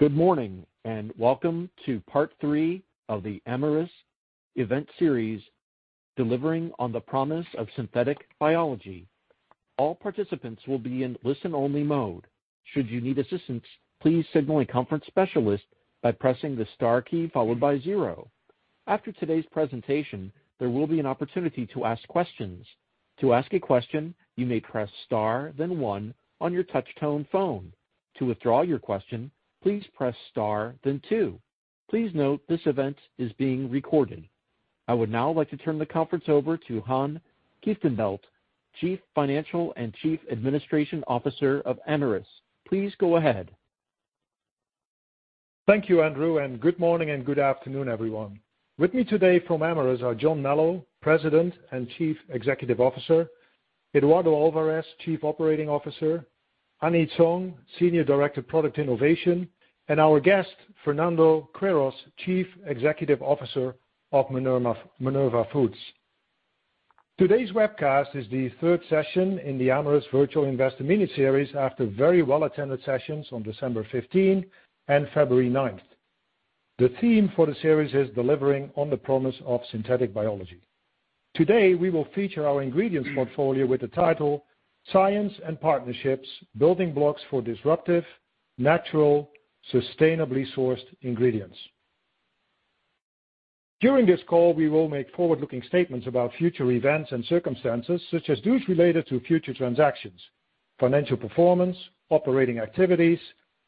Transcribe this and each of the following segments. Good morning and welcome to part three of the Amyris event series, delivering on the promise of synthetic biology. All participants will be in listen-only mode. Should you need assistance, please signal a conference specialist by pressing the star key followed by zero. After today's presentation, there will be an opportunity to ask questions. To ask a question, you may press star, then one on your touch-tone phone. To withdraw your question, please press star, then two. Please note this event is being recorded. I would now like to turn the conference over to Han Kieftenbeld, CFO and Chief Administration Officer of Amyris. Please go ahead. Thank you, Andrew, and good morning and good afternoon, everyone. With me today from Amyris are John Melo, President and CEO, Eduardo Alvarez, COO, Annie Tsong, Senior Director of Product Innovation, and our guest, Fernando Queiroz, CEO of Minerva Foods. Today's webcast is the third session in the Amyris Virtual Investor mini-series after very well-attended sessions on December 15th and February 9th. The theme for the series is delivering on the promise of synthetic biology. Today, we will feature our ingredients portfolio with the title, "Science and Partnerships: Building Blocks for Disruptive, Natural, Sustainably Sourced Ingredients." During this call, we will make forward-looking statements about future events and circumstances, such as those related to future transactions, financial performance, operating activities,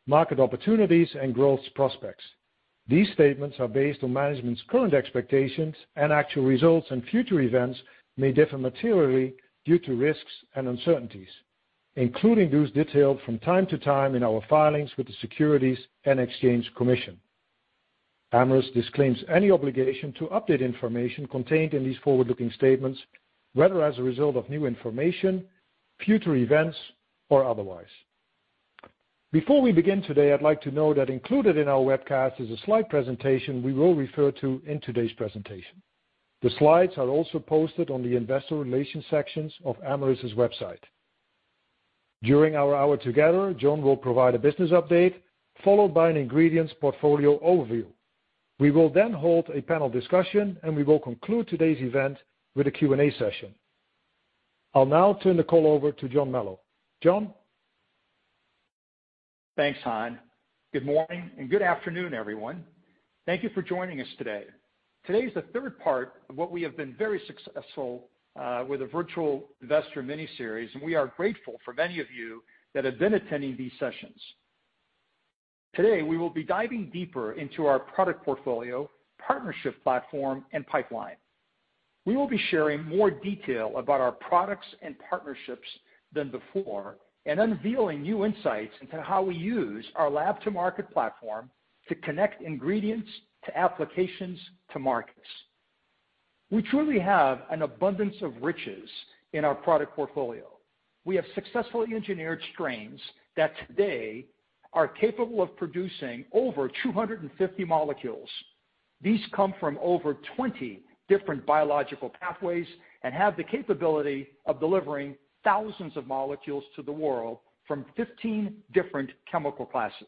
market opportunities, and growth prospects. These statements are based on management's current expectations, and actual results and future events may differ materially due to risks and uncertainties, including those detailed from time to time in our filings with the Securities and Exchange Commission. Amyris disclaims any obligation to update information contained in these forward-looking statements, whether as a result of new information, future events, or otherwise. Before we begin today, I'd like to note that included in our webcast is a slide presentation we will refer to in today's presentation. The slides are also posted on the investor relations sections of Amyris's website. During our hour together, John will provide a business update, followed by an ingredients portfolio overview. We will then hold a panel discussion, and we will conclude today's event with a Q&A session. I'll now turn the call over to John Melo. John? Thanks, Han. Good morning and good afternoon, everyone. Thank you for joining us today. Today is the third part of what we have been very successful with a virtual investor mini-series, and we are grateful for many of you that have been attending these sessions. Today, we will be diving deeper into our product portfolio, partnership platform, and pipeline. We will be sharing more detail about our products and partnerships than before and unveiling new insights into how we use our lab-to-market platform to connect ingredients to applications to markets. We truly have an abundance of riches in our product portfolio. We have successfully engineered strains that today are capable of producing over 250 molecules. These come from over 20 different biological pathways and have the capability of delivering thousands of molecules to the world from 15 different chemical classes.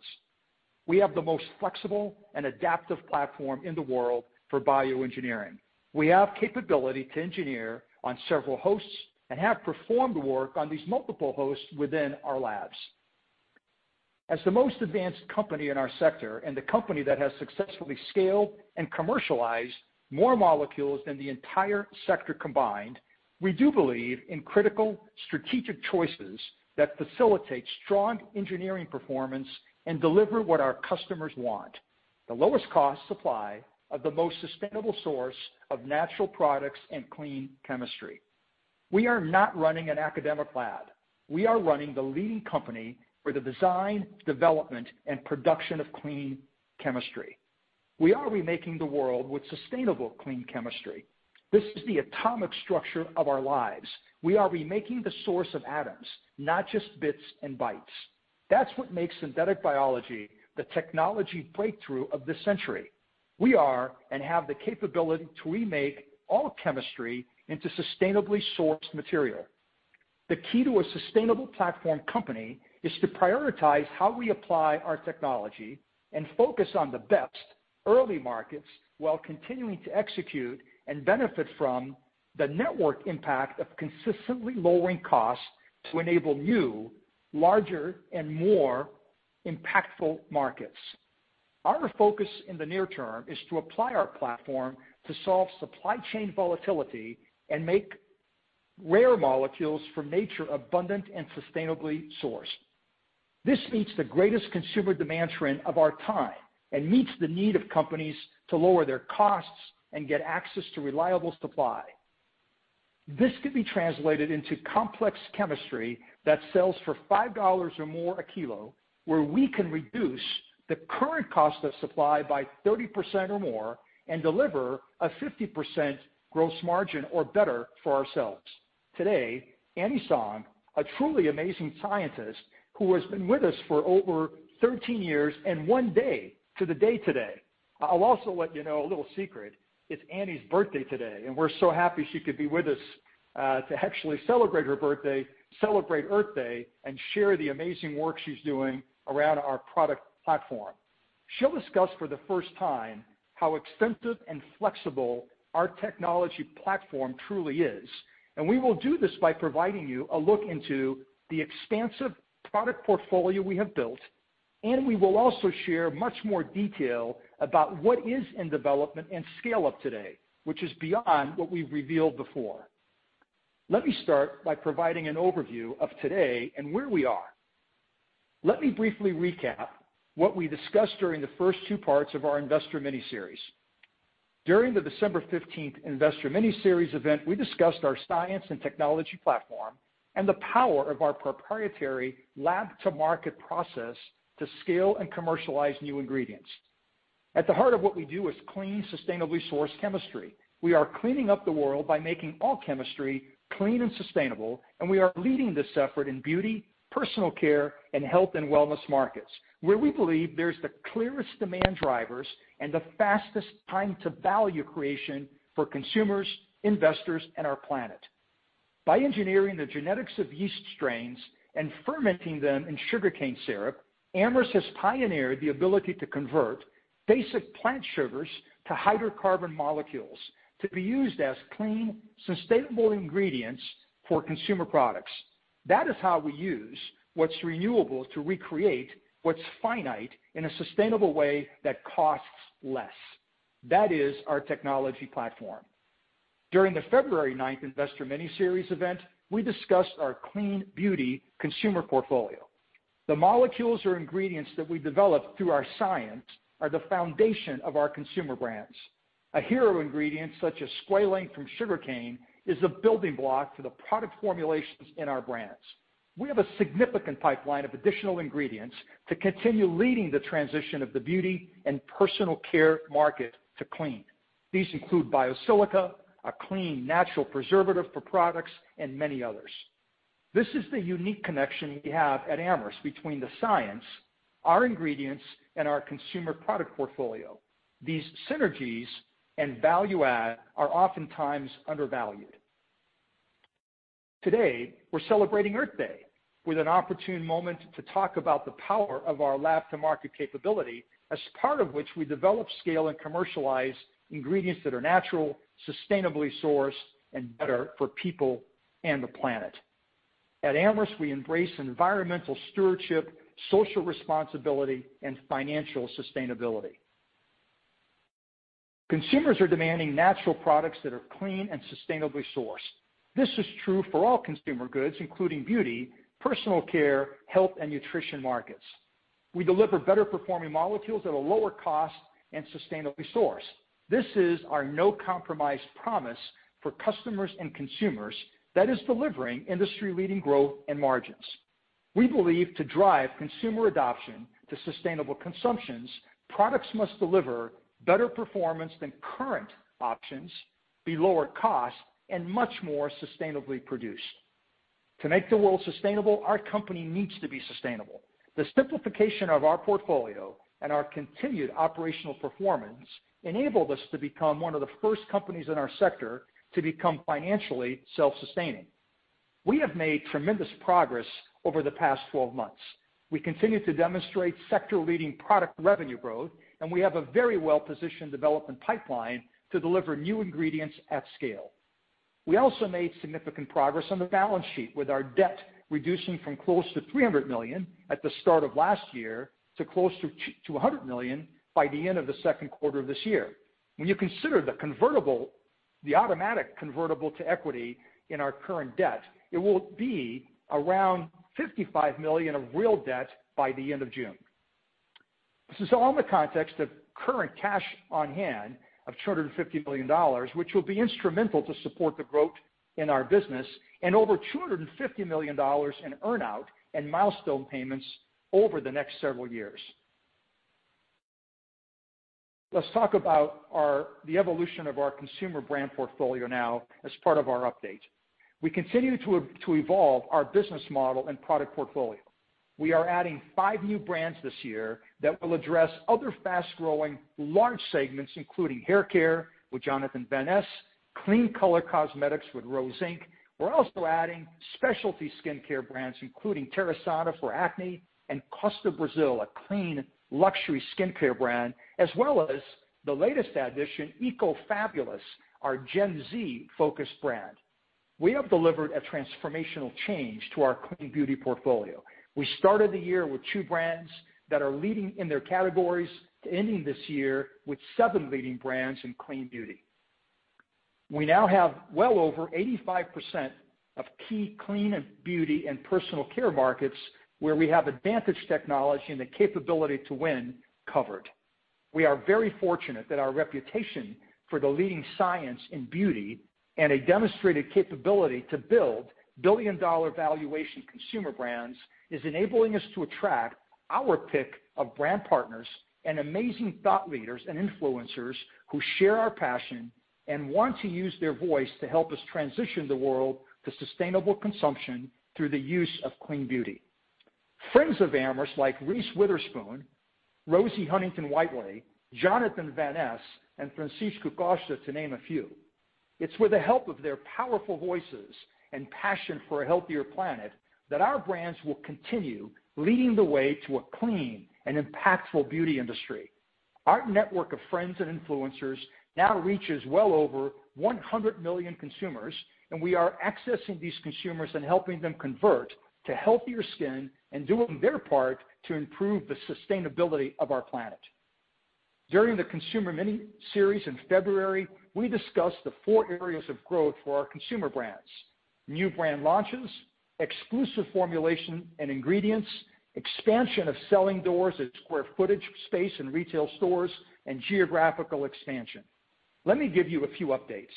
We have the most flexible and adaptive platform in the world for bioengineering. We have capability to engineer on several hosts and have performed work on these multiple hosts within our labs. As the most advanced company in our sector and the company that has successfully scaled and commercialized more molecules than the entire sector combined, we do believe in critical strategic choices that facilitate strong engineering performance and deliver what our customers want: the lowest-cost supply of the most sustainable source of natural products and clean chemistry. We are not running an academic lab. We are running the leading company for the design, development, and production of clean chemistry. We are remaking the world with sustainable clean chemistry. This is the atomic structure of our lives. We are remaking the source of atoms, not just bits and bytes. That's what makes synthetic biology the technology breakthrough of the century. We are and have the capability to remake all chemistry into sustainably sourced material. The key to a sustainable platform company is to prioritize how we apply our technology and focus on the best early markets while continuing to execute and benefit from the network impact of consistently lowering costs to enable new, larger, and more impactful markets. Our focus in the near term is to apply our platform to solve supply chain volatility and make rare molecules from nature abundant and sustainably sourced. This meets the greatest consumer demand trend of our time and meets the need of companies to lower their costs and get access to reliable supply. This could be translated into complex chemistry that sells for $5 or more a kilo, where we can reduce the current cost of supply by 30% or more and deliver a 50% gross margin or better for ourselves. Today, Annie Tsong, a truly amazing scientist who has been with us for over 13 years and one day to the day today. I'll also let you know a little secret. It's Annie's birthday today, and we're so happy she could be with us to actually celebrate her birthday, celebrate Earth Day, and share the amazing work she's doing around our product platform. She'll discuss for the first time how extensive and flexible our technology platform truly is, and we will do this by providing you a look into the expansive product portfolio we have built, and we will also share much more detail about what is in development and scale-up today, which is beyond what we've revealed before. Let me start by providing an overview of today and where we are. Let me briefly recap what we discussed during the first two parts of our investor mini-series. During the December 15th investor mini-series event, we discussed our science and technology platform and the power of our proprietary lab-to-market process to scale and commercialize new ingredients. At the heart of what we do is clean, sustainably sourced chemistry. We are cleaning up the world by making all chemistry clean and sustainable, and we are leading this effort in beauty, personal care, and health and wellness markets, where we believe there's the clearest demand drivers and the fastest time-to-value creation for consumers, investors, and our planet. By engineering the genetics of yeast strains and fermenting them in sugarcane syrup, Amyris has pioneered the ability to convert basic plant sugars to hydrocarbon molecules to be used as clean, sustainable ingredients for consumer products. That is how we use what's renewable to recreate what's finite in a sustainable way that costs less. That is our technology platform. During the February 9th investor mini-series event, we discussed our clean beauty consumer portfolio. The molecules or ingredients that we develop through our science are the foundation of our consumer brands. A hero ingredient such as squalane from sugarcane is the building block for the product formulations in our brands. We have a significant pipeline of additional ingredients to continue leading the transition of the beauty and personal care market to clean. These include biosilica, a clean natural preservative for products, and many others. This is the unique connection we have at Amyris between the science, our ingredients, and our consumer product portfolio. These synergies and value-add are oftentimes undervalued. Today, we're celebrating Earth Day with an opportune moment to talk about the power of our lab-to-market capability, as part of which we develop, scale, and commercialize ingredients that are natural, sustainably sourced, and better for people and the planet. At Amyris, we embrace environmental stewardship, social responsibility, and financial sustainability. Consumers are demanding natural products that are clean and sustainably sourced. This is true for all consumer goods, including beauty, personal care, health, and nutrition markets. We deliver better-performing molecules at a lower cost and sustainably sourced. This is our no-compromise promise for customers and consumers that is delivering industry-leading growth and margins. We believe to drive consumer adoption to sustainable consumptions, products must deliver better performance than current options, be lower cost, and much more sustainably produced. To make the world sustainable, our company needs to be sustainable. The simplification of our portfolio and our continued operational performance enabled us to become one of the first companies in our sector to become financially self-sustaining. We have made tremendous progress over the past 12 months. We continue to demonstrate sector-leading product revenue growth, and we have a very well-positioned development pipeline to deliver new ingredients at scale. We also made significant progress on the balance sheet with our debt reducing from close to $300 million at the start of last year to close to $100 million by the end of the second quarter of this year. When you consider the automatic convertible to equity in our current debt, it will be around $55 million of real debt by the end of June. This is all in the context of current cash on hand of $250 million, which will be instrumental to support the growth in our business and over $250 million in earnout and milestone payments over the next several years. Let's talk about the evolution of our consumer brand portfolio now as part of our update. We continue to evolve our business model and product portfolio. We are adding five new brands this year that will address other fast-growing large segments, including hair care with Jonathan Van Ness, clean color cosmetics with Rose Inc. We're also adding specialty skincare brands, including Terasana for acne and Costa Brazil, a clean luxury skincare brand, as well as the latest addition, Ecofabulous, our Gen Z-focused brand. We have delivered a transformational change to our clean beauty portfolio. We started the year with two brands that are leading in their categories to ending this year with seven leading brands in clean beauty. We now have well over 85% of key clean beauty and personal care markets where we have advantage technology and the capability to win covered. We are very fortunate that our reputation for the leading science in beauty and a demonstrated capability to build billion-dollar valuation consumer brands is enabling us to attract our pick of brand partners and amazing thought leaders and influencers who share our passion and want to use their voice to help us transition the world to sustainable consumption through the use of clean beauty. Friends of Amyris like Reese Witherspoon, Rosie Huntington-Whiteley, Jonathan Van Ness, and Francisco Costa, to name a few. It's with the help of their powerful voices and passion for a healthier planet that our brands will continue leading the way to a clean and impactful beauty industry. Our network of friends and influencers now reaches well over 100 million consumers, and we are accessing these consumers and helping them convert to healthier skin and doing their part to improve the sustainability of our planet. During the consumer mini-series in February, we discussed the four areas of growth for our consumer brands: new brand launches, exclusive formulation and ingredients, expansion of selling doors and square footage space in retail stores, and geographical expansion. Let me give you a few updates.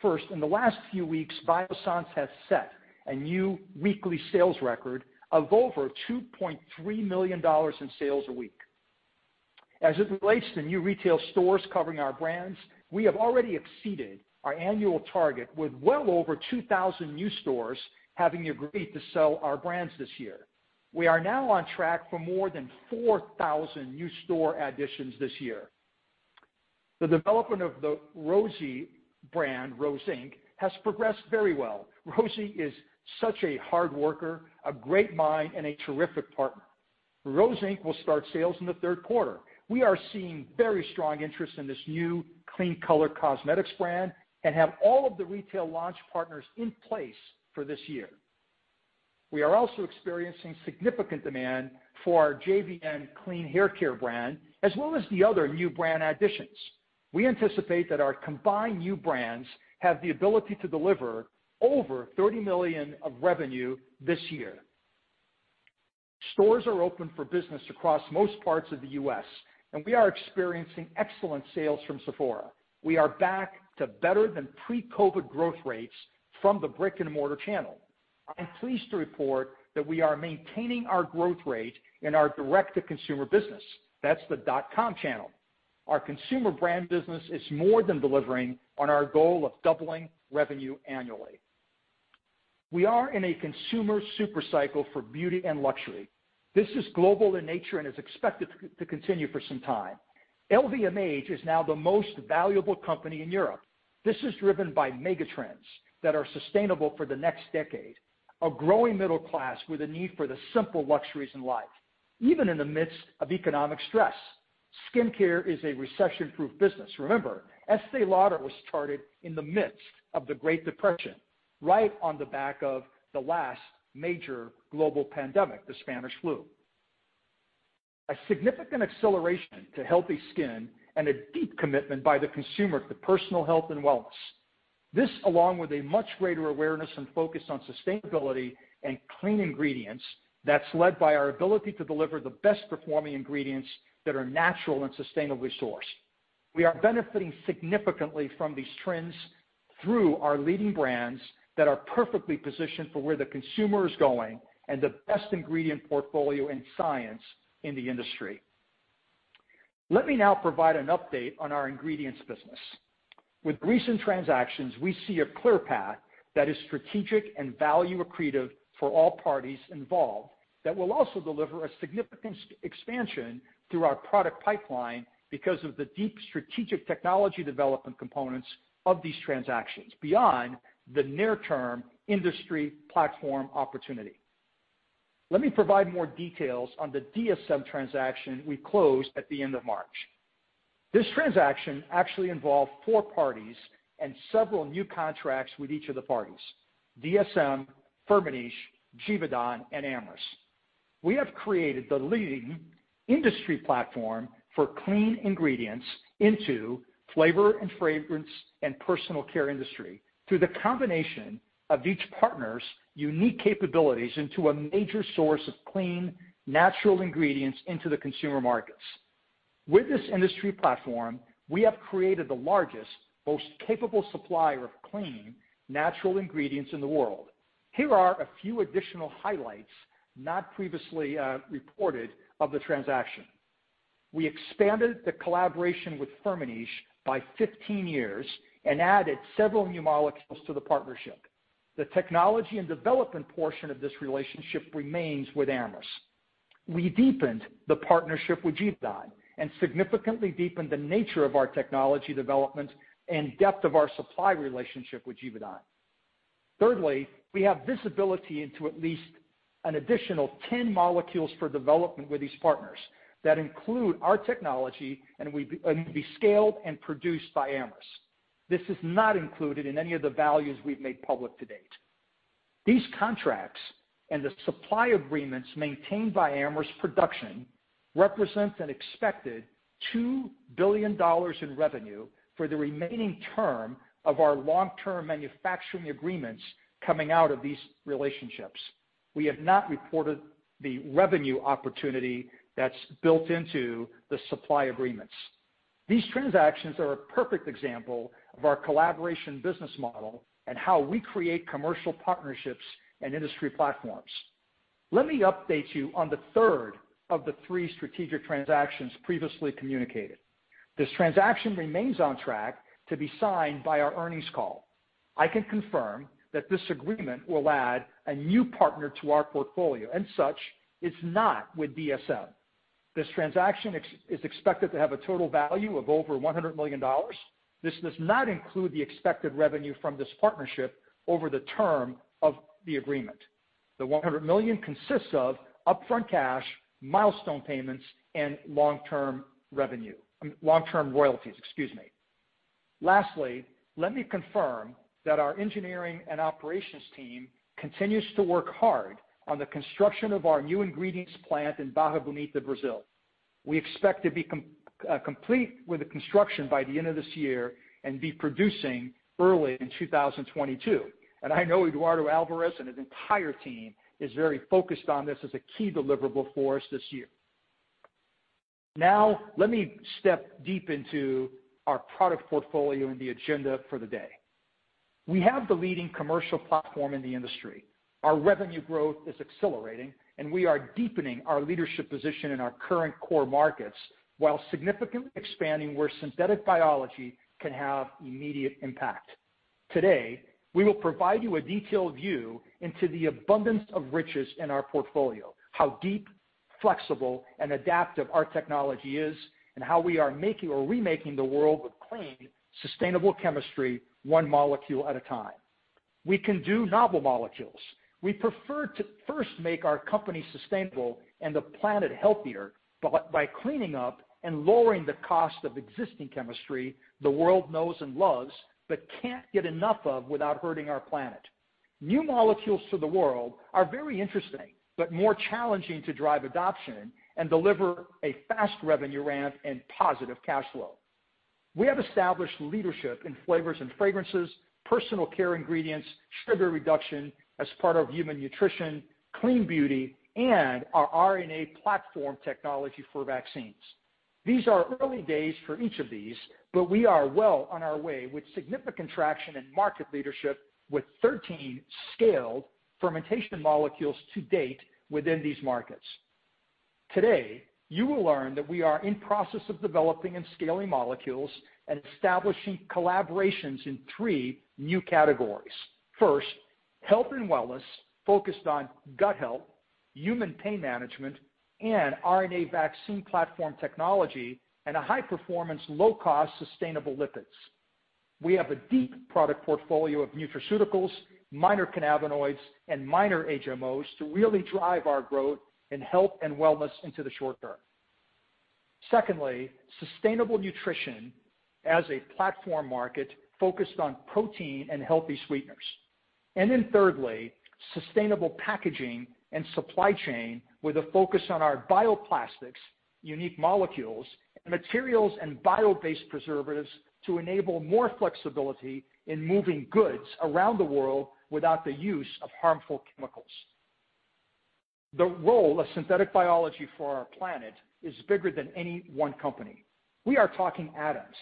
First, in the last few weeks, Biossance has set a new weekly sales record of over $2.3 million in sales a week. As it relates to new retail stores covering our brands, we have already exceeded our annual target with well over 2,000 new stores having agreed to sell our brands this year. We are now on track for more than 4,000 new store additions this year. The development of the Rosie brand, Rose Inc., has progressed very well. Rosie is such a hard worker, a great mind, and a terrific partner. Rose Inc. will start sales in the third quarter. We are seeing very strong interest in this new clean color cosmetics brand and have all of the retail launch partners in place for this year. We are also experiencing significant demand for our JVN clean hair care brand, as well as the other new brand additions. We anticipate that our combined new brands have the ability to deliver over $30 million of revenue this year. Stores are open for business across most parts of the U.S., and we are experiencing excellent sales from Sephora. We are back to better than pre-COVID growth rates from the brick-and-mortar channel. I'm pleased to report that we are maintaining our growth rate in our direct-to-consumer business. That's the dot-com channel. Our consumer brand business is more than delivering on our goal of doubling revenue annually. We are in a consumer supercycle for beauty and luxury. This is global in nature and is expected to continue for some time. LVMH is now the most valuable company in Europe. This is driven by megatrends that are sustainable for the next decade: a growing middle class with a need for the simple luxuries in life, even in the midst of economic stress. Skincare is a recession-proof business. Remember, Estée Lauder was started in the midst of the Great Depression, right on the back of the last major global pandemic, the Spanish flu. A significant acceleration to healthy skin and a deep commitment by the consumer to personal health and wellness. This, along with a much greater awareness and focus on sustainability and clean ingredients, that's led by our ability to deliver the best-performing ingredients that are natural and sustainably sourced. We are benefiting significantly from these trends through our leading brands that are perfectly positioned for where the consumer is going and the best ingredient portfolio and science in the industry. Let me now provide an update on our ingredients business. With recent transactions, we see a clear path that is strategic and value-accretive for all parties involved that will also deliver a significant expansion through our product pipeline because of the deep strategic technology development components of these transactions beyond the near-term industry platform opportunity. Let me provide more details on the DSM transaction we closed at the end of March. This transaction actually involved four parties and several new contracts with each of the parties: DSM, Firmenich, Givaudan, and Amyris. We have created the leading industry platform for clean ingredients into flavor and fragrance and personal care industry through the combination of each partner's unique capabilities into a major source of clean, natural ingredients into the consumer markets. With this industry platform, we have created the largest, most capable supplier of clean, natural ingredients in the world. Here are a few additional highlights not previously reported of the transaction. We expanded the collaboration with Firmenich by 15 years and added several new molecules to the partnership. The technology and development portion of this relationship remains with Amyris. We deepened the partnership with Givaudan and significantly deepened the nature of our technology development and depth of our supply relationship with Givaudan. Thirdly, we have visibility into at least an additional 10 molecules for development with these partners that include our technology and be scaled and produced by Amyris. This is not included in any of the values we've made public to date. These contracts and the supply agreements maintained by Amyris production represent an expected $2 billion in revenue for the remaining term of our long-term manufacturing agreements coming out of these relationships. We have not reported the revenue opportunity that's built into the supply agreements. These transactions are a perfect example of our collaboration business model and how we create commercial partnerships and industry platforms. Let me update you on the third of the three strategic transactions previously communicated. This transaction remains on track to be signed by our earnings call. I can confirm that this agreement will add a new partner to our portfolio. As such, it's not with DSM. This transaction is expected to have a total value of over $100 million. This does not include the expected revenue from this partnership over the term of the agreement. The $100 million consists of upfront cash, milestone payments, and long-term royalties. Excuse me. Lastly, let me confirm that our engineering and operations team continues to work hard on the construction of our new ingredients plant in Barra Bonita, Brazil. We expect to be complete with the construction by the end of this year and be producing early in 2022, and I know Eduardo Alvarez and his entire team is very focused on this as a key deliverable for us this year. Now, let me step deep into our product portfolio and the agenda for the day. We have the leading commercial platform in the industry. Our revenue growth is accelerating, and we are deepening our leadership position in our current core markets while significantly expanding where synthetic biology can have immediate impact. Today, we will provide you a detailed view into the abundance of riches in our portfolio, how deep, flexible, and adaptive our technology is, and how we are making or remaking the world with clean, sustainable chemistry, one molecule at a time. We can do novel molecules. We prefer to first make our company sustainable and the planet healthier by cleaning up and lowering the cost of existing chemistry the world knows and loves but can't get enough of without hurting our planet. New molecules to the world are very interesting but more challenging to drive adoption and deliver a fast revenue ramp and positive cash flow. We have established leadership in flavors and fragrances, personal care ingredients, sugar reduction as part of human nutrition, clean beauty, and our RNA platform technology for vaccines. These are early days for each of these, but we are well on our way with significant traction and market leadership with 13 scaled fermentation molecules to date within these markets. Today, you will learn that we are in process of developing and scaling molecules and establishing collaborations in three new categories. First, health and wellness focused on gut health, human pain management, and RNA vaccine platform technology, and a high-performance, low-cost, sustainable lipids. We have a deep product portfolio of nutraceuticals, minor cannabinoids, and minor HMOs to really drive our growth and health and wellness into the short term. Secondly, sustainable nutrition as a platform market focused on protein and healthy sweeteners. And then thirdly, sustainable packaging and supply chain with a focus on our bioplastics, unique molecules, and materials and bio-based preservatives to enable more flexibility in moving goods around the world without the use of harmful chemicals. The role of synthetic biology for our planet is bigger than any one company. We are talking atoms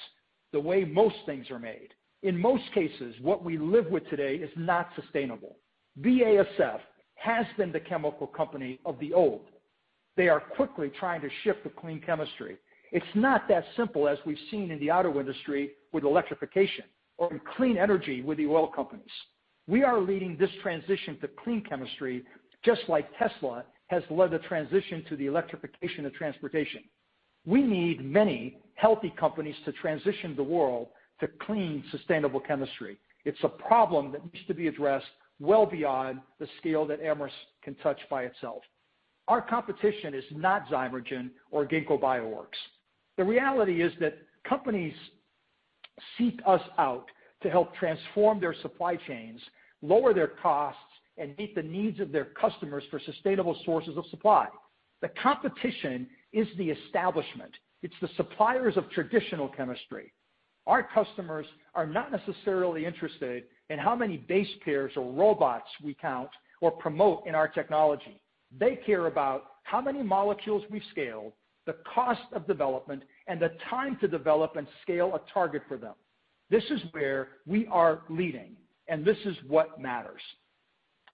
the way most things are made. In most cases, what we live with today is not sustainable. BASF has been the chemical company of the old. They are quickly trying to shift to clean chemistry. It's not that simple as we've seen in the auto industry with electrification or in clean energy with the oil companies. We are leading this transition to clean chemistry, just like Tesla has led the transition to the electrification of transportation. We need many healthy companies to transition the world to clean, sustainable chemistry. It's a problem that needs to be addressed well beyond the scale that Amyris can touch by itself. Our competition is not Zymergen or Ginkgo Bioworks. The reality is that companies seek us out to help transform their supply chains, lower their costs, and meet the needs of their customers for sustainable sources of supply. The competition is the establishment. It's the suppliers of traditional chemistry. Our customers are not necessarily interested in how many base pairs or robots we count or promote in our technology. They care about how many molecules we've scaled, the cost of development, and the time to develop and scale a target for them. This is where we are leading, and this is what matters.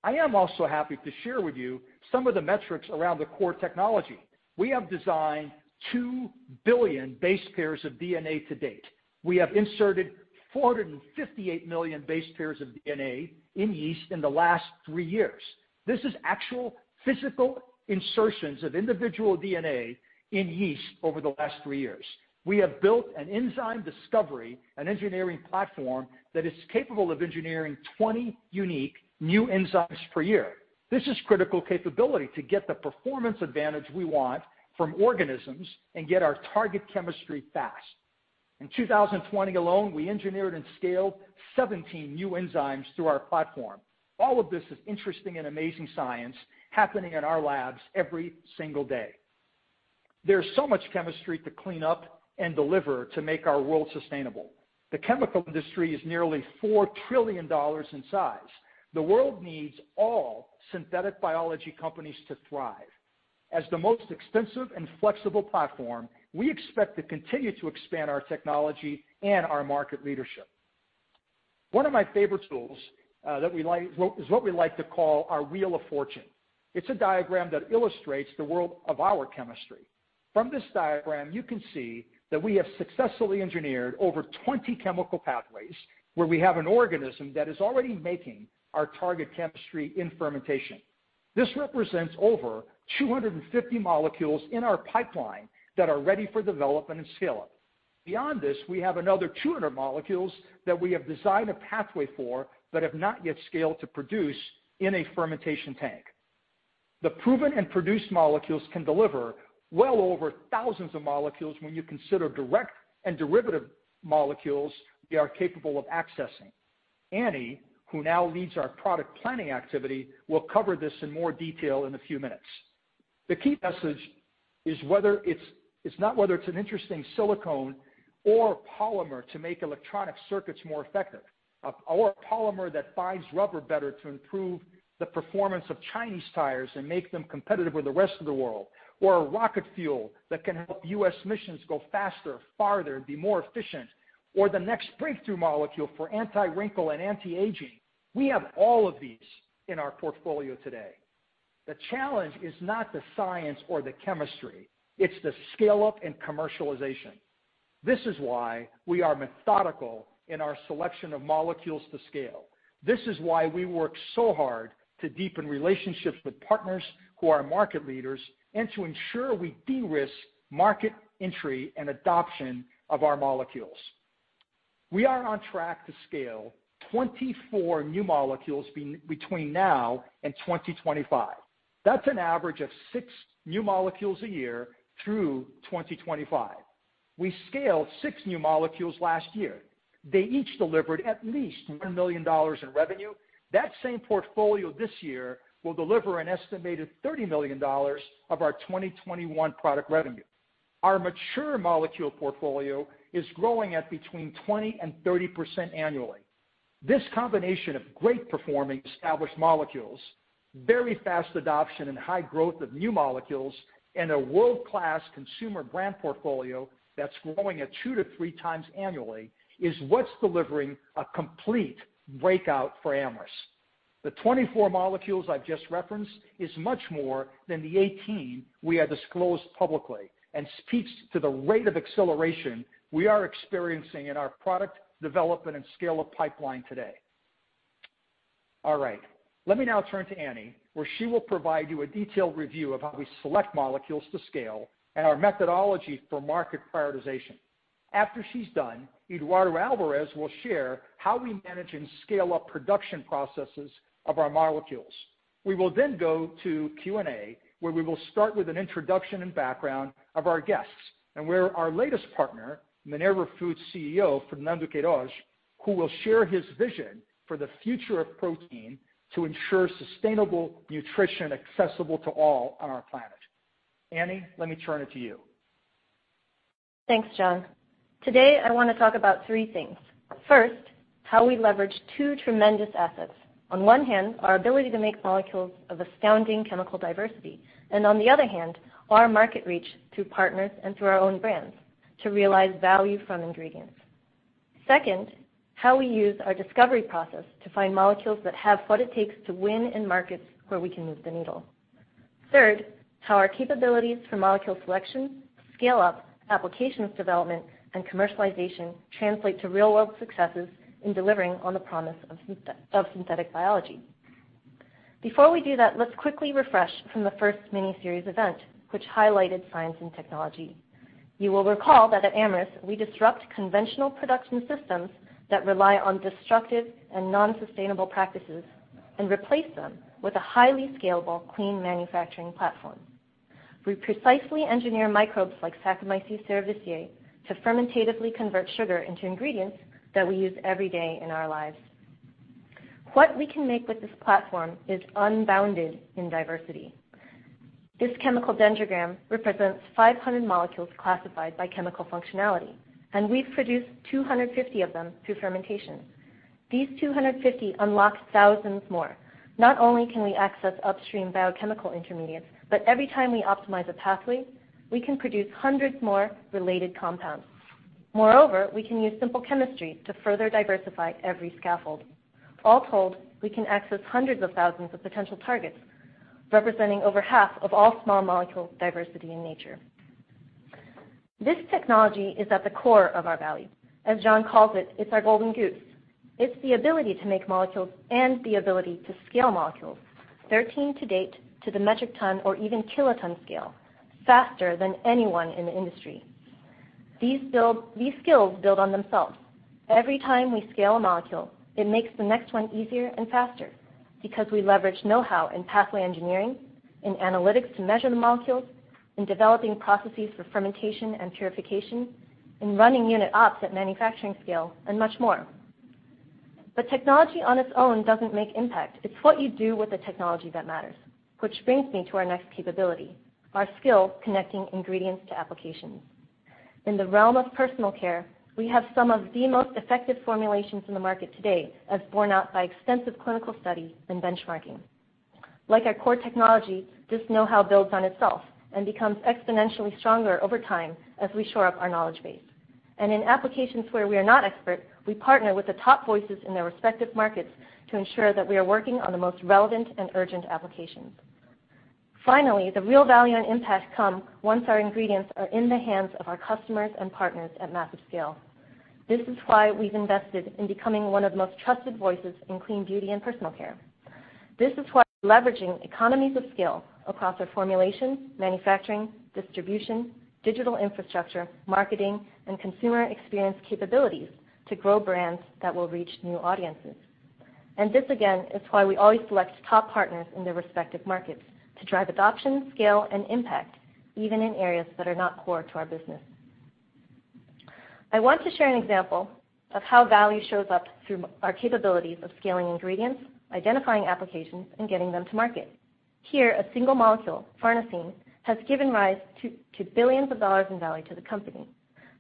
I am also happy to share with you some of the metrics around the core technology. We have designed two billion base pairs of DNA to date. We have inserted 458 million base pairs of DNA in yeast in the last three years. This is actual physical insertions of individual DNA in yeast over the last three years. We have built an enzyme discovery, an engineering platform that is capable of engineering 20 unique new enzymes per year. This is critical capability to get the performance advantage we want from organisms and get our target chemistry fast. In 2020 alone, we engineered and scaled 17 new enzymes through our platform. All of this is interesting and amazing science happening in our labs every single day. There's so much chemistry to clean up and deliver to make our world sustainable. The chemical industry is nearly $4 trillion in size. The world needs all synthetic biology companies to thrive. As the most expensive and flexible platform, we expect to continue to expand our technology and our market leadership. One of my favorite tools is what we like to call our wheel of fortune. It's a diagram that illustrates the world of our chemistry. From this diagram, you can see that we have successfully engineered over 20 chemical pathways where we have an organism that is already making our target chemistry in fermentation. This represents over 250 molecules in our pipeline that are ready for development and scale-up. Beyond this, we have another 200 molecules that we have designed a pathway for that have not yet scaled to produce in a fermentation tank. The proven and produced molecules can deliver well over thousands of molecules when you consider direct and derivative molecules they are capable of accessing. Annie, who now leads our product planning activity, will cover this in more detail in a few minutes. The key message is whether it's an interesting silicone or polymer to make electronic circuits more effective, or a polymer that binds rubber better to improve the performance of Chinese tires and make them competitive with the rest of the world, or a rocket fuel that can help U.S. missions go faster, farther, be more efficient, or the next breakthrough molecule for anti-wrinkle and anti-aging. We have all of these in our portfolio today. The challenge is not the science or the chemistry. It's the scale-up and commercialization. This is why we are methodical in our selection of molecules to scale. This is why we work so hard to deepen relationships with partners who are market leaders and to ensure we de-risk market entry and adoption of our molecules. We are on track to scale 24 new molecules between now and 2025. That's an average of six new molecules a year through 2025. We scaled six new molecules last year. They each delivered at least $1 million in revenue. That same portfolio this year will deliver an estimated $30 million of our 2021 product revenue. Our mature molecule portfolio is growing at between 20% and 30% annually. This combination of great-performing established molecules, very fast adoption and high growth of new molecules, and a world-class consumer brand portfolio that's growing at two to three times annually is what's delivering a complete breakout for Amyris. The 24 molecules I've just referenced is much more than the 18 we have disclosed publicly and speaks to the rate of acceleration we are experiencing in our product development and scale-up pipeline today. All right. Let me now turn to Annie, where she will provide you a detailed review of how we select molecules to scale and our methodology for market prioritization. After she's done, Eduardo Alvarez will share how we manage and scale-up production processes of our molecules. We will then go to Q&A, where we will start with an introduction and background of our guests and where our latest partner, Minerva Foods CEO Fernando Queiroz, who will share his vision for the future of protein to ensure sustainable nutrition accessible to all on our planet. Annie, let me turn it to you. Thanks, John. Today, I want to talk about three things. First, how we leverage two tremendous assets. On one hand, our ability to make molecules of astounding chemical diversity. And on the other hand, our market reach through partners and through our own brands to realize value from ingredients. Second, how we use our discovery process to find molecules that have what it takes to win in markets where we can move the needle. Third, how our capabilities for molecule selection, scale-up, applications development, and commercialization translate to real-world successes in delivering on the promise of synthetic biology. Before we do that, let's quickly refresh from the first miniseries event, which highlighted science and technology. You will recall that at Amyris, we disrupt conventional production systems that rely on destructive and non-sustainable practices and replace them with a highly scalable, clean manufacturing platform. We precisely engineer microbes like Saccharomyces cerevisiae to fermentatively convert sugar into ingredients that we use every day in our lives. What we can make with this platform is unbounded in diversity. This chemical dendrogram represents 500 molecules classified by chemical functionality, and we've produced 250 of them through fermentation. These 250 unlock thousands more. Not only can we access upstream biochemical intermediates, but every time we optimize a pathway, we can produce hundreds more related compounds. Moreover, we can use simple chemistry to further diversify every scaffold. All told, we can access hundreds of thousands of potential targets, representing over half of all small molecule diversity in nature. This technology is at the core of our value. As John calls it, it's our golden goose. It's the ability to make molecules and the ability to scale molecules, 13 to date to the metric ton or even kiloton scale, faster than anyone in the industry. These skills build on themselves. Every time we scale a molecule, it makes the next one easier and faster because we leverage know-how in pathway engineering, in analytics to measure the molecules, in developing processes for fermentation and purification, in running unit ops at manufacturing scale, and much more. But technology on its own doesn't make impact. It's what you do with the technology that matters, which brings me to our next capability, our skill connecting ingredients to applications. In the realm of personal care, we have some of the most effective formulations in the market today, as borne out by extensive clinical study and benchmarking. Like our core technology, this know-how builds on itself and becomes exponentially stronger over time as we shore up our knowledge base. And in applications where we are not expert, we partner with the top voices in their respective markets to ensure that we are working on the most relevant and urgent applications. Finally, the real value and impact come once our ingredients are in the hands of our customers and partners at massive scale. This is why we've invested in becoming one of the most trusted voices in clean beauty and personal care. This is why we're leveraging economies of scale across our formulation, manufacturing, distribution, digital infrastructure, marketing, and consumer experience capabilities to grow brands that will reach new audiences. And this, again, is why we always select top partners in their respective markets to drive adoption, scale, and impact, even in areas that are not core to our business. I want to share an example of how value shows up through our capabilities of scaling ingredients, identifying applications, and getting them to market. Here, a single molecule, pharmacine, has given rise to billions of dollars in value to the company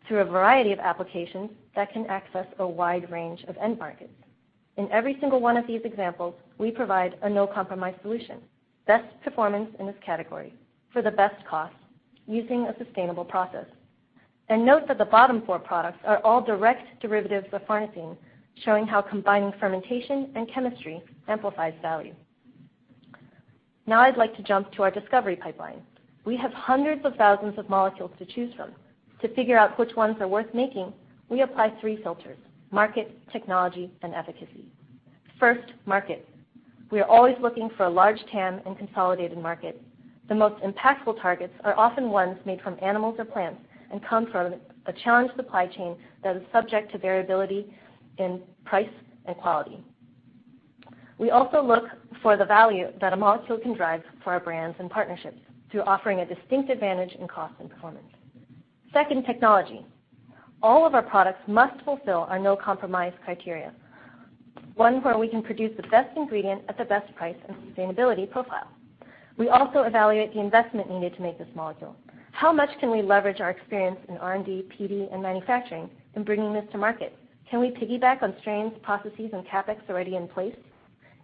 through a variety of applications that can access a wide range of end markets. In every single one of these examples, we provide a no-compromise solution, best performance in this category for the best cost using a sustainable process. And note that the bottom four products are all direct derivatives of pharmacine, showing how combining fermentation and chemistry amplifies value. Now I'd like to jump to our discovery pipeline. We have hundreds of thousands of molecules to choose from. To figure out which ones are worth making, we apply three filters: market, technology, and efficacy. First, market. We are always looking for a large TAM and consolidated market. The most impactful targets are often ones made from animals or plants and come from a challenged supply chain that is subject to variability in price and quality. We also look for the value that a molecule can drive for our brands and partnerships through offering a distinct advantage in cost and performance. Second, technology. All of our products must fulfill our no-compromise criteria, one where we can produce the best ingredient at the best price and sustainability profile. We also evaluate the investment needed to make this molecule. How much can we leverage our experience in R&D, PD, and manufacturing in bringing this to market? Can we piggyback on strains, processes, and CapEx already in place?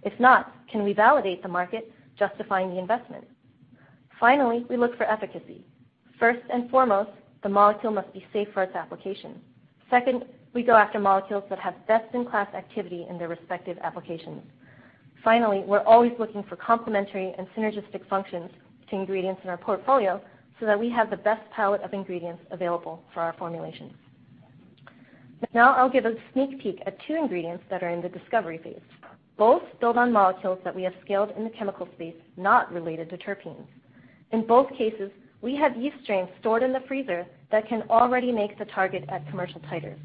If not, can we validate the market justifying the investment? Finally, we look for efficacy. First and foremost, the molecule must be safe for its application. Second, we go after molecules that have best-in-class activity in their respective applications. Finally, we're always looking for complementary and synergistic functions to ingredients in our portfolio so that we have the best palette of ingredients available for our formulation. Now I'll give a sneak peek at two ingredients that are in the discovery phase. Both build on molecules that we have scaled in the chemical space, not related to terpenes. In both cases, we have yeast strains stored in the freezer that can already make the target at commercial titers.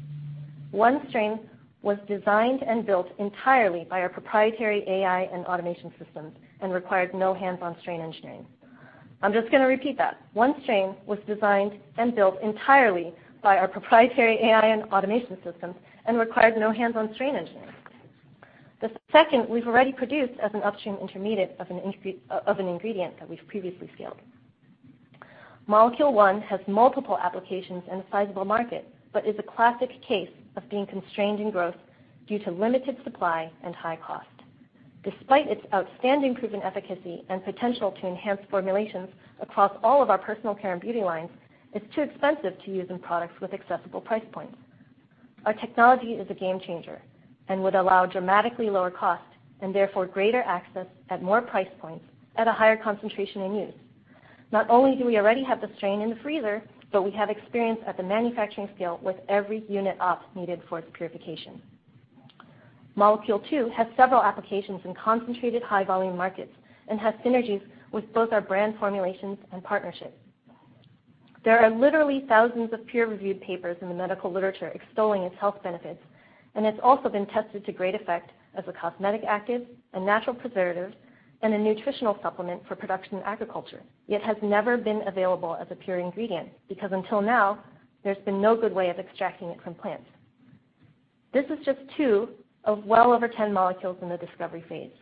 One strain was designed and built entirely by our proprietary AI and automation systems and required no hands-on strain engineering. I'm just going to repeat that. One strain was designed and built entirely by our proprietary AI and automation systems and required no hands-on strain engineering. The second we've already produced as an upstream intermediate of an ingredient that we've previously scaled. Molecule one has multiple applications in a sizable market, but is a classic case of being constrained in growth due to limited supply and high cost. Despite its outstanding proven efficacy and potential to enhance formulations across all of our personal care and beauty lines, it's too expensive to use in products with accessible price points. Our technology is a game changer and would allow dramatically lower cost and therefore greater access at more price points at a higher concentration in use. Not only do we already have the strain in the freezer, but we have experience at the manufacturing scale with every unit ops needed for its purification. Molecule two has several applications in concentrated high-volume markets and has synergies with both our brand formulations and partnerships. There are literally thousands of peer-reviewed papers in the medical literature extolling its health benefits, and it's also been tested to great effect as a cosmetic active, a natural preservative, and a nutritional supplement for production agriculture. It has never been available as a pure ingredient because until now, there's been no good way of extracting it from plants. This is just two of well over 10 molecules in the discovery phase.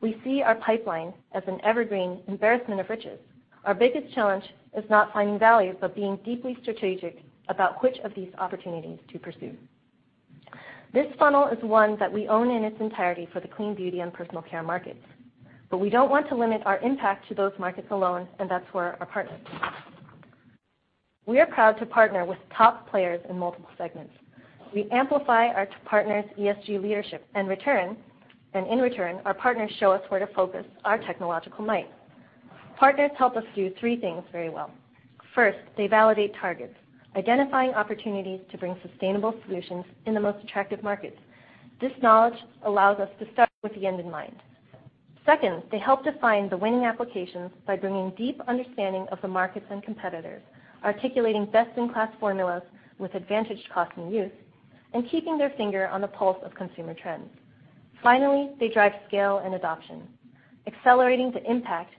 We see our pipeline as an evergreen embarrassment of riches. Our biggest challenge is not finding value, but being deeply strategic about which of these opportunities to pursue. This funnel is one that we own in its entirety for the clean beauty and personal care markets, but we don't want to limit our impact to those markets alone, and that's where our partners come in. We are proud to partner with top players in multiple segments. We amplify our partners' ESG leadership and return, and in return, our partners show us where to focus our technological might. Partners help us do three things very well. First, they validate targets, identifying opportunities to bring sustainable solutions in the most attractive markets. This knowledge allows us to start with the end in mind. Second, they help define the winning applications by bringing deep understanding of the markets and competitors, articulating best-in-class formulas with advantaged cost and use, and keeping their finger on the pulse of consumer trends. Finally, they drive scale and adoption, accelerating the impact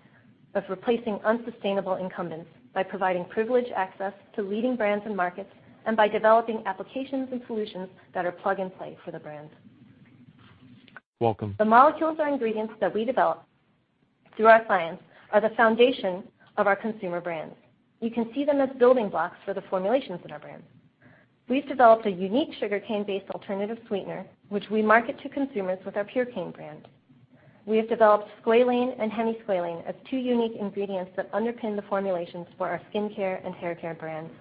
of replacing unsustainable incumbents by providing privileged access to leading brands and markets and by developing applications and solutions that are plug-and-play for the brand. Welcome. The molecules or ingredients that we develop through our clients are the foundation of our consumer brands. You can see them as building blocks for the formulations in our brand. We've developed a unique sugarcane-based alternative sweetener, which we market to consumers with our Purecane brand. We have developed squalane and hemisqualane as two unique ingredients that underpin the formulations for our skincare and haircare brands.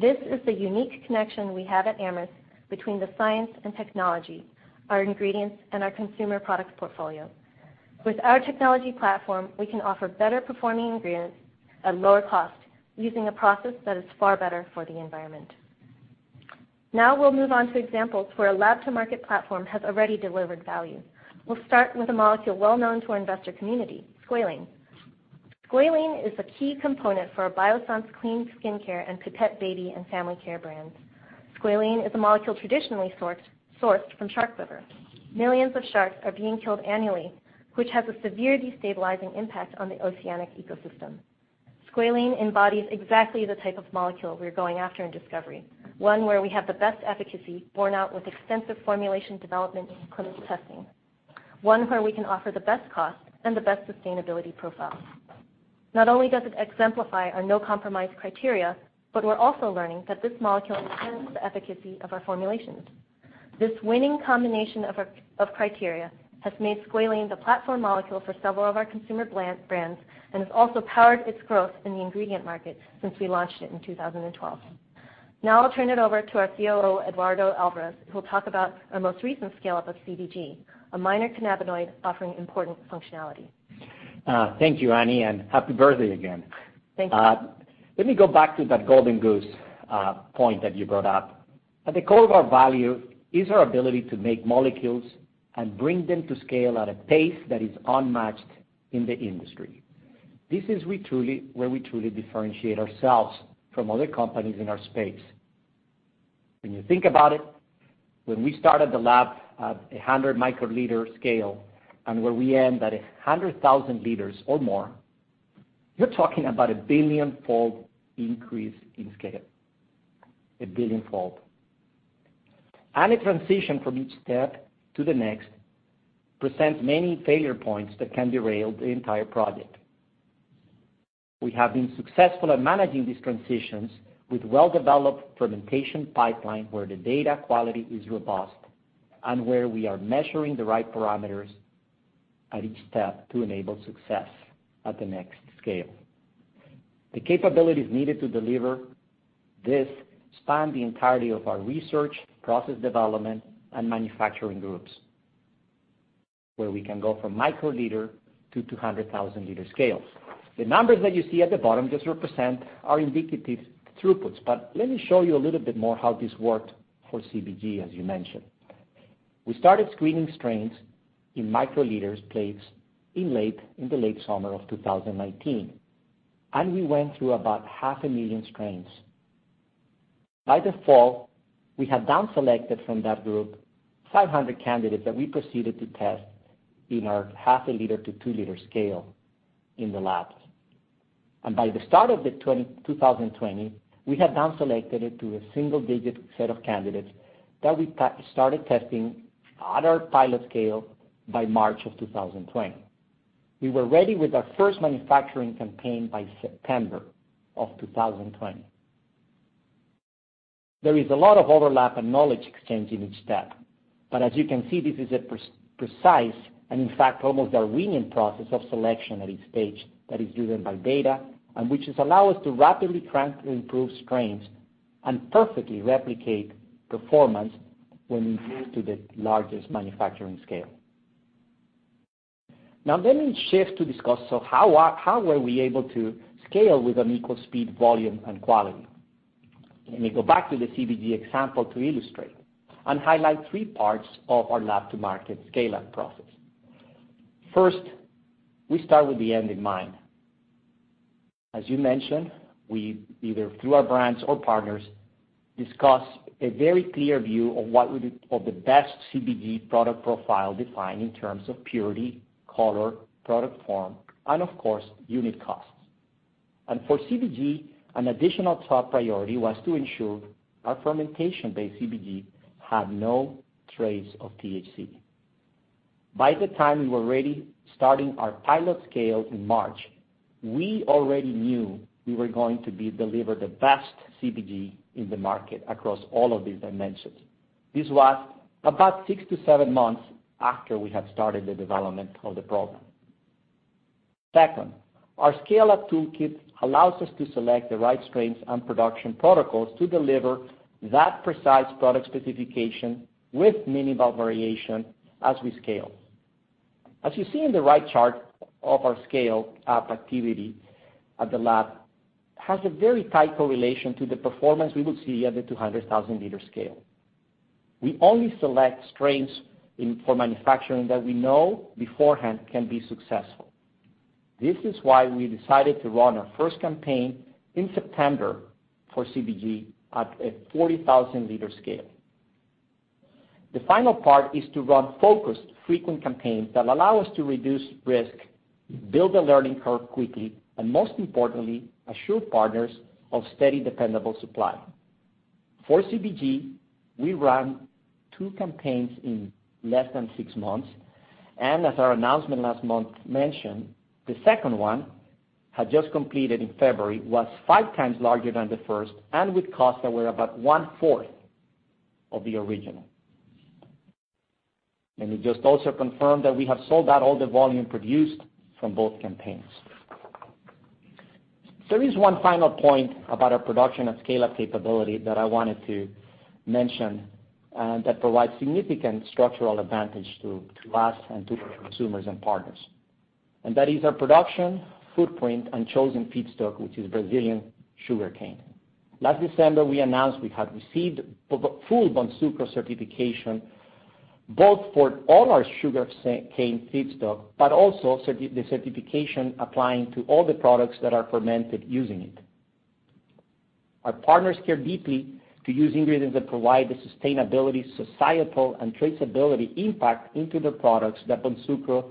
This is the unique connection we have at Amyris between the science and technology, our ingredients, and our consumer product portfolio. With our technology platform, we can offer better-performing ingredients at lower cost using a process that is far better for the environment. Now we'll move on to examples where a lab-to-market platform has already delivered value. We'll start with a molecule well-known to our investor community, squalane. Squalane is a key component for our Biossance clean skincare and Pipette Baby and Family Care brands. Squalane is a molecule traditionally sourced from shark liver. Millions of sharks are being killed annually, which has a severe destabilizing impact on the oceanic ecosystem. Squalane embodies exactly the type of molecule we're going after in discovery, one where we have the best efficacy borne out with extensive formulation development and clinical testing, one where we can offer the best cost and the best sustainability profile. Not only does it exemplify our no-compromise criteria, but we're also learning that this molecule enhances the efficacy of our formulations. This winning combination of criteria has made squalane the platform molecule for several of our consumer brands and has also powered its growth in the ingredient market since we launched it in 2012. Now I'll turn it over to our COO, Eduardo Alvarez, who will talk about our most recent scale-up of CBG, a minor cannabinoid offering important functionality. Thank you, Annie, and happy birthday again. Thank you. Let me go back to that golden goose point that you brought up. At the core of our value is our ability to make molecules and bring them to scale at a pace that is unmatched in the industry. This is where we truly differentiate ourselves from other companies in our space. When you think about it, when we started the lab at a 100 microliter scale and where we end at 100,000 liters or more, you're talking about a billion-fold increase in scale, a billion-fold. And the transition from each step to the next presents many failure points that can derail the entire project. We have been successful at managing these transitions with well-developed fermentation pipeline where the data quality is robust and where we are measuring the right parameters at each step to enable success at the next scale. The capabilities needed to deliver this span the entirety of our research, process development, and manufacturing groups, where we can go from microliter to 200,000-liter scales. The numbers that you see at the bottom just represent our indicative throughputs, but let me show you a little bit more how this worked for CBG, as you mentioned. We started screening strains in microliter plates in the late summer of 2019, and we went through about 500,000 strains. By the fall, we had down-selected from that group 500 candidates that we proceeded to test in our 0.5-liter to 2-liter scale in the labs, and by the start of 2020, we had down-selected it to a single-digit set of candidates that we started testing at our pilot scale by March of 2020. We were ready with our first manufacturing campaign by September of 2020. There is a lot of overlap and knowledge exchange in each step, but as you can see, this is a precise and, in fact, almost Darwinian process of selection at each stage that is driven by data, which has allowed us to rapidly track and improve strains and perfectly replicate performance when we move to the largest manufacturing scale. Now let me shift to discuss how were we able to scale with an equal speed, volume, and quality. Let me go back to the CBG example to illustrate and highlight three parts of our lab-to-market scale-up process. First, we start with the end in mind. As you mentioned, we either through our brands or partners discuss a very clear view of what would be the best CBG product profile defined in terms of purity, color, product form, and, of course, unit costs. And for CBG, an additional top priority was to ensure our fermentation-based CBG had no trace of THC. By the time we were ready starting our pilot scale in March, we already knew we were going to deliver the best CBG in the market across all of these dimensions. This was about six to seven months after we had started the development of the program. Second, our scale-up toolkit allows us to select the right strains and production protocols to deliver that precise product specification with minimal variation as we scale. As you see in the right chart of our scale-up activity at the lab, it has a very tight correlation to the performance we would see at the 200,000-liter scale. We only select strains for manufacturing that we know beforehand can be successful. This is why we decided to run our first campaign in September for CBG at a 40,000-liter scale. The final part is to run focused, frequent campaigns that allow us to reduce risk, build a learning curve quickly, and most importantly, assure partners of steady, dependable supply. For CBG, we ran two campaigns in less than six months, and as our announcement last month mentioned, the second one had just completed in February and was five times larger than the first and with costs that were about one-fourth of the original. Let me just also confirm that we have sold out all the volume produced from both campaigns. There is one final point about our production and scale-up capability that I wanted to mention and that provides significant structural advantage to us and to the consumers and partners. And that is our production footprint and chosen feedstock, which is Brazilian sugarcane. Last December, we announced we had received full Bonsucro certification both for all our sugarcane feedstock, but also the certification applying to all the products that are fermented using it. Our partners care deeply to use ingredients that provide the sustainability, societal, and traceability impact into the products that Bonsucro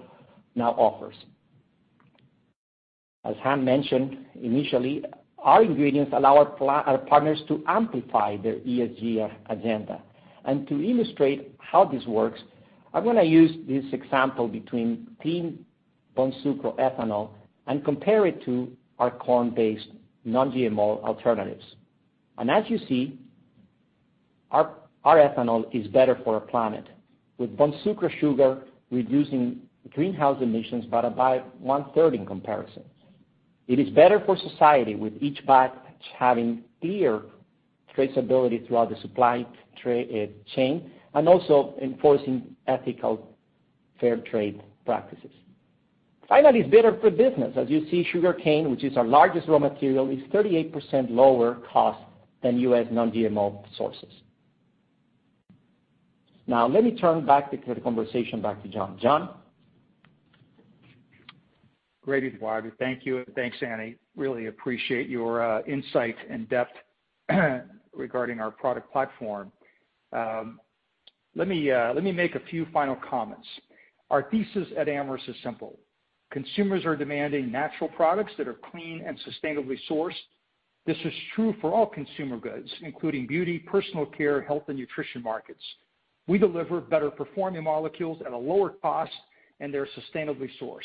now offers. As Han mentioned initially, our ingredients allow our partners to amplify their ESG agenda. And to illustrate how this works, I'm going to use this example between clean Bonsucro ethanol and compare it to our corn-based non-GMO alternatives. And as you see, our ethanol is better for our planet with Bonsucro sugar reducing greenhouse emissions by about one-third in comparison. It is better for society with each batch having clear traceability throughout the supply chain and also enforcing ethical fair trade practices. Finally, it's better for business. As you see, sugarcane, which is our largest raw material, is 38% lower cost than US non-GMO sources. Now let me turn back the conversation to John. John. Great, Eduardo. Thank you. Thanks, Annie. Really appreciate your insight and depth regarding our product platform. Let me make a few final comments. Our thesis at Amyris is simple. Consumers are demanding natural products that are clean and sustainably sourced. This is true for all consumer goods, including beauty, personal care, health, and nutrition markets. We deliver better-performing molecules at a lower cost, and they're sustainably sourced.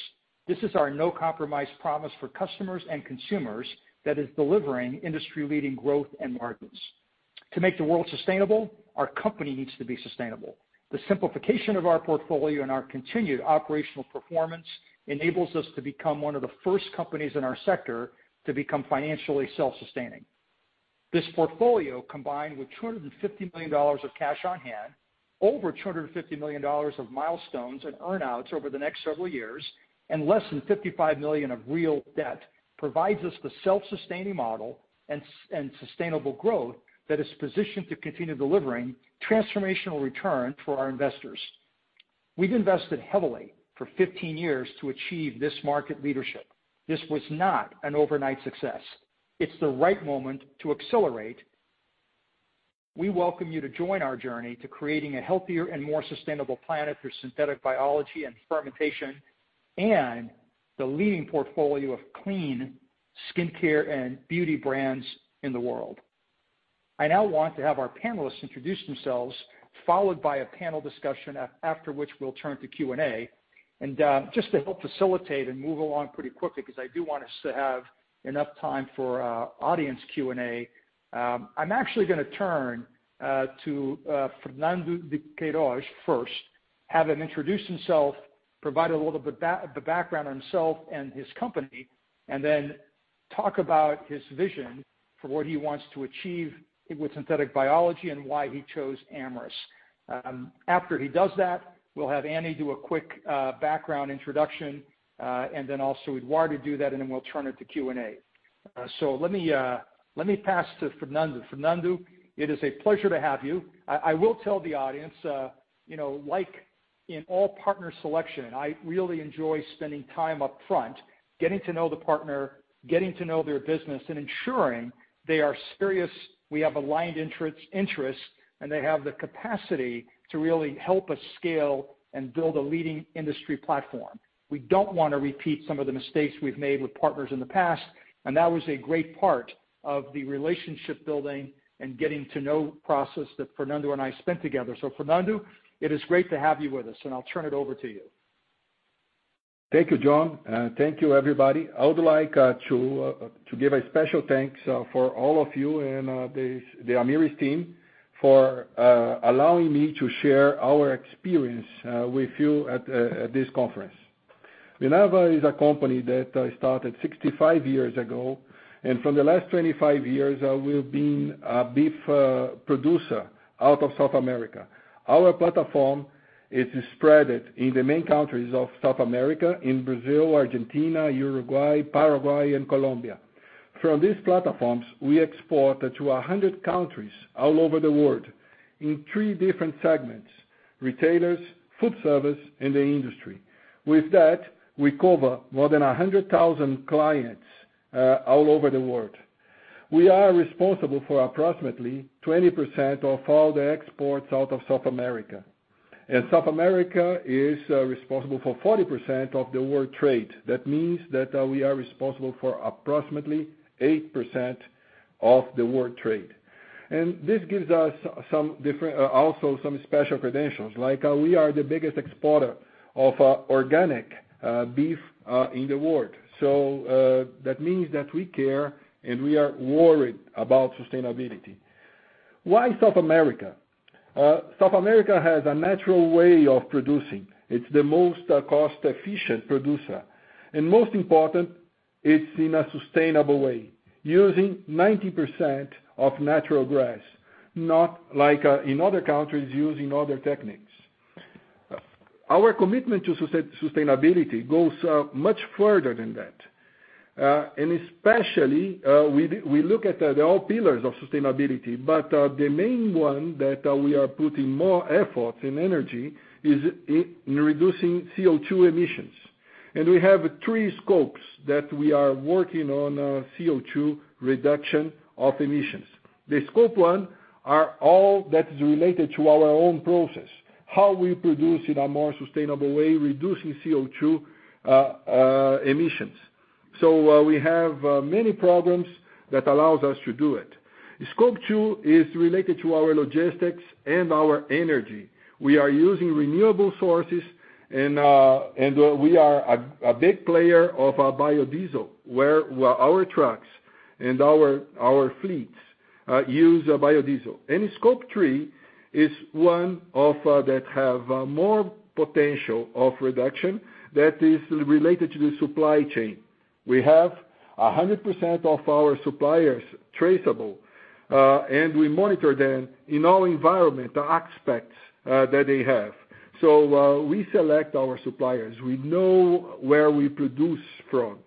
This is our no-compromise promise for customers and consumers that is delivering industry-leading growth and margins. To make the world sustainable, our company needs to be sustainable. The simplification of our portfolio and our continued operational performance enables us to become one of the first companies in our sector to become financially self-sustaining. This portfolio, combined with $250 million of cash on hand, over $250 million of milestones and earnouts over the next several years, and less than $55 million of real debt, provides us the self-sustaining model and sustainable growth that is positioned to continue delivering transformational returns for our investors. We've invested heavily for 15 years to achieve this market leadership. This was not an overnight success. It's the right moment to accelerate. We welcome you to join our journey to creating a healthier and more sustainable planet through synthetic biology and fermentation and the leading portfolio of clean skincare and beauty brands in the world. I now want to have our panelists introduce themselves, followed by a panel discussion after which we'll turn to Q&A. And just to help facilitate and move along pretty quickly, because I do want us to have enough time for audience Q&A, I'm actually going to turn to Fernando Queiroz first, have him introduce himself, provide a little bit of background on himself and his company, and then talk about his vision for what he wants to achieve with synthetic biology and why he chose Amyris. After he does that, we'll have Annie do a quick background introduction, and then also Eduardo do that, and then we'll turn it to Q&A. So let me pass to Fernando. Fernando, it is a pleasure to have you. I will tell the audience, like in all partner selection, I really enjoy spending time upfront, getting to know the partner, getting to know their business, and ensuring they are serious, we have aligned interests, and they have the capacity to really help us scale and build a leading industry platform. We don't want to repeat some of the mistakes we've made with partners in the past, and that was a great part of the relationship-building and getting-to-know process that Fernando and I spent together. So Fernando, it is great to have you with us, and I'll turn it over to you. Thank you, John. Thank you, everybody. I would like to give a special thanks for all of you and the Amyris team for allowing me to share our experience with you at this conference. Minerva is a company that started 65 years ago, and for the last 25 years, we've been a beef producer out of South America. Our platform is spread in the main countries of South America: in Brazil, Argentina, Uruguay, Paraguay, and Colombia. From these platforms, we export to 100 countries all over the world in three different segments: retailers, food service, and the industry. With that, we cover more than 100,000 clients all over the world. We are responsible for approximately 20% of all the exports out of South America. And South America is responsible for 40% of the world trade. That means that we are responsible for approximately 8% of the world trade. This gives us also some special credentials, like we are the biggest exporter of organic beef in the world. So that means that we care and we are worried about sustainability. Why South America? South America has a natural way of producing. It's the most cost-efficient producer. And most important, it's in a sustainable way, using 90% of natural grass, not like in other countries using other techniques. Our commitment to sustainability goes much further than that. And especially, we look at all the pillars of sustainability, but the main one that we are putting more effort and energy is in reducing CO2 emissions. And we have three scopes that we are working on CO2 reduction of emissions. Scope one is all that is related to our own process, how we produce in a more sustainable way, reducing CO2 emissions. So we have many programs that allow us to do it. Scope two is related to our logistics and our energy. We are using renewable sources, and we are a big player of biodiesel, where our trucks and our fleets use biodiesel. And Scope three is one of that has more potential of reduction that is related to the supply chain. We have 100% of our suppliers traceable, and we monitor them in all environmental aspects that they have. So we select our suppliers. We know where we produce from.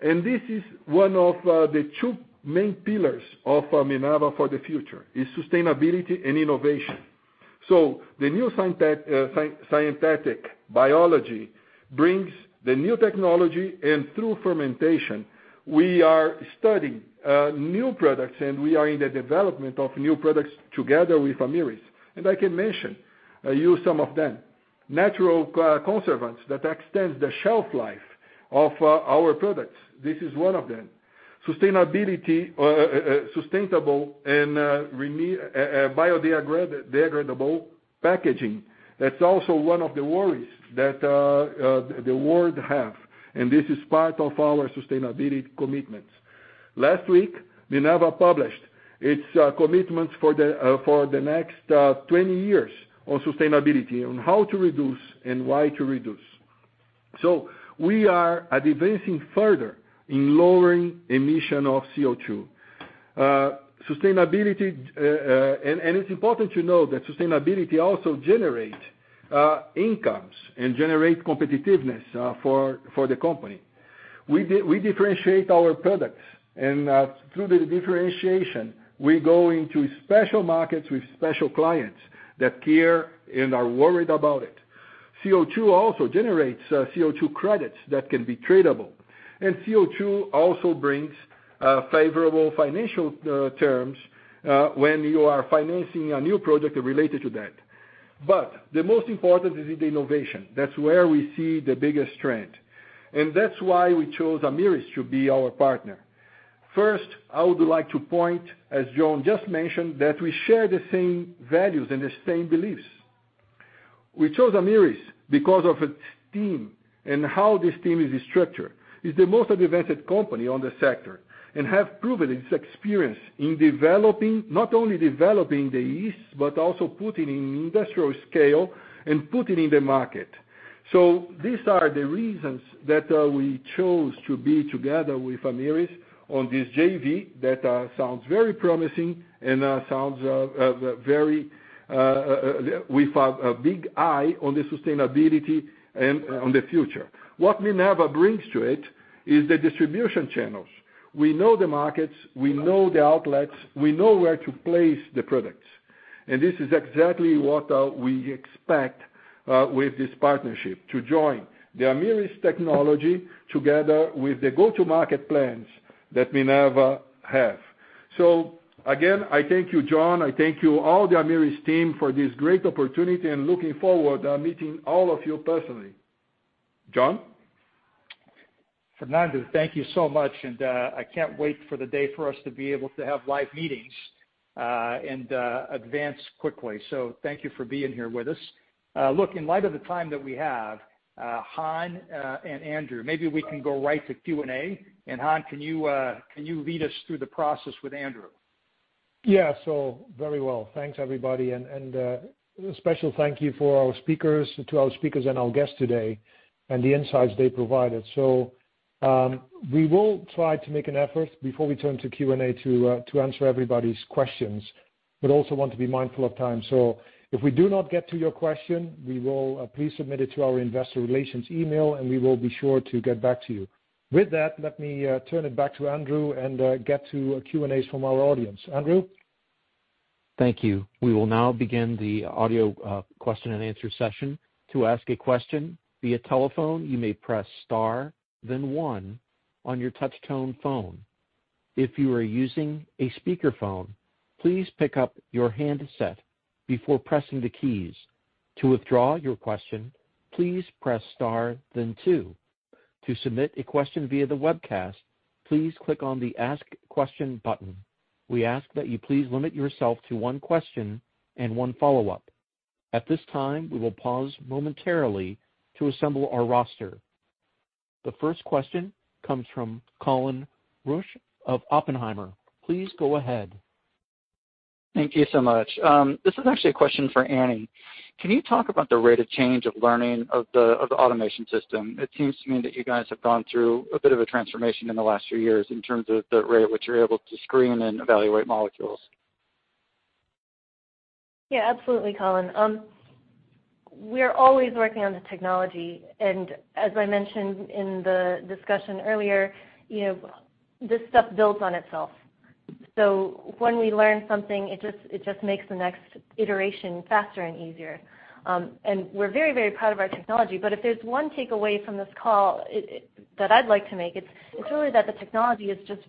And this is one of the two main pillars of Minerva for the future: sustainability and innovation. So the new synthetic biology brings the new technology, and through fermentation, we are studying new products, and we are in the development of new products together with Amyris. I can mention some of them: natural preservatives that extend the shelf life of our products. This is one of them. Sustainable and biodegradable packaging. That's also one of the worries that the world has. This is part of our sustainability commitments. Last week, Minerva published its commitments for the next 20 years on sustainability and how to reduce and why to reduce. We are advancing further in lowering emission of CO2. It's important to know that sustainability also generates incomes and generates competitiveness for the company. We differentiate our products, and through the differentiation, we go into special markets with special clients that care and are worried about it. CO2 also generates carbon credits that can be tradable. And CO2 also brings favorable financial terms when you are financing a new project related to that. The most important is the innovation. That's where we see the biggest trend. And that's why we chose Amyris to be our partner. First, I would like to point, as John just mentioned, that we share the same values and the same beliefs. We chose Amyris because of its team and how this team is structured. It's the most advanced company in the sector and has proven its experience in developing, not only developing the yeast, but also putting it in industrial scale and putting it in the market. So these are the reasons that we chose to be together with Amyris on this JV that sounds very promising and sounds very with a big eye on the sustainability and on the future. What Minerva brings to it is the distribution channels. We know the markets. We know the outlets. We know where to place the products. And this is exactly what we expect with this partnership: to join the Amyris technology together with the go-to-market plans that Minerva has. So again, I thank you, John. I thank you, all the Amyris team, for this great opportunity, and looking forward to meeting all of you personally. John? Fernando, thank you so much. And I can't wait for the day for us to be able to have live meetings and advance quickly. So thank you for being here with us. Look, in light of the time that we have, Han and Andrew, maybe we can go right to Q&A. And Han, can you lead us through the process with Andrew? Yeah, so very well. Thanks, everybody. And a special thank you to our speakers and our guests today and the insights they provided. So we will try to make an effort before we turn to Q&A to answer everybody's questions, but also want to be mindful of time. So if we do not get to your question, please submit it to our investor relations email, and we will be sure to get back to you. With that, let me turn it back to Andrew and get to Q&As from our audience. Andrew? Thank you. We will now begin the audio question and answer session. To ask a question via telephone, you may press star, then one on your touch-tone phone. If you are using a speakerphone, please pick up your handset before pressing the keys. To withdraw your question, please press star, then two. To submit a question via the webcast, please click on the Ask Question button. We ask that you please limit yourself to one question and one follow-up. At this time, we will pause momentarily to assemble our roster. The first question comes from Colin Rusch of Oppenheimer. Please go ahead. Thank you so much. This is actually a question for Annie. Can you talk about the rate of change of learning of the automation system? It seems to me that you guys have gone through a bit of a transformation in the last few years in terms of the rate at which you're able to screen and evaluate molecules. Yeah, absolutely, Colin. We're always working on the technology, and as I mentioned in the discussion earlier, this stuff builds on itself, so when we learn something, it just makes the next iteration faster and easier, and we're very, very proud of our technology, but if there's one takeaway from this call that I'd like to make, it's really that the technology is just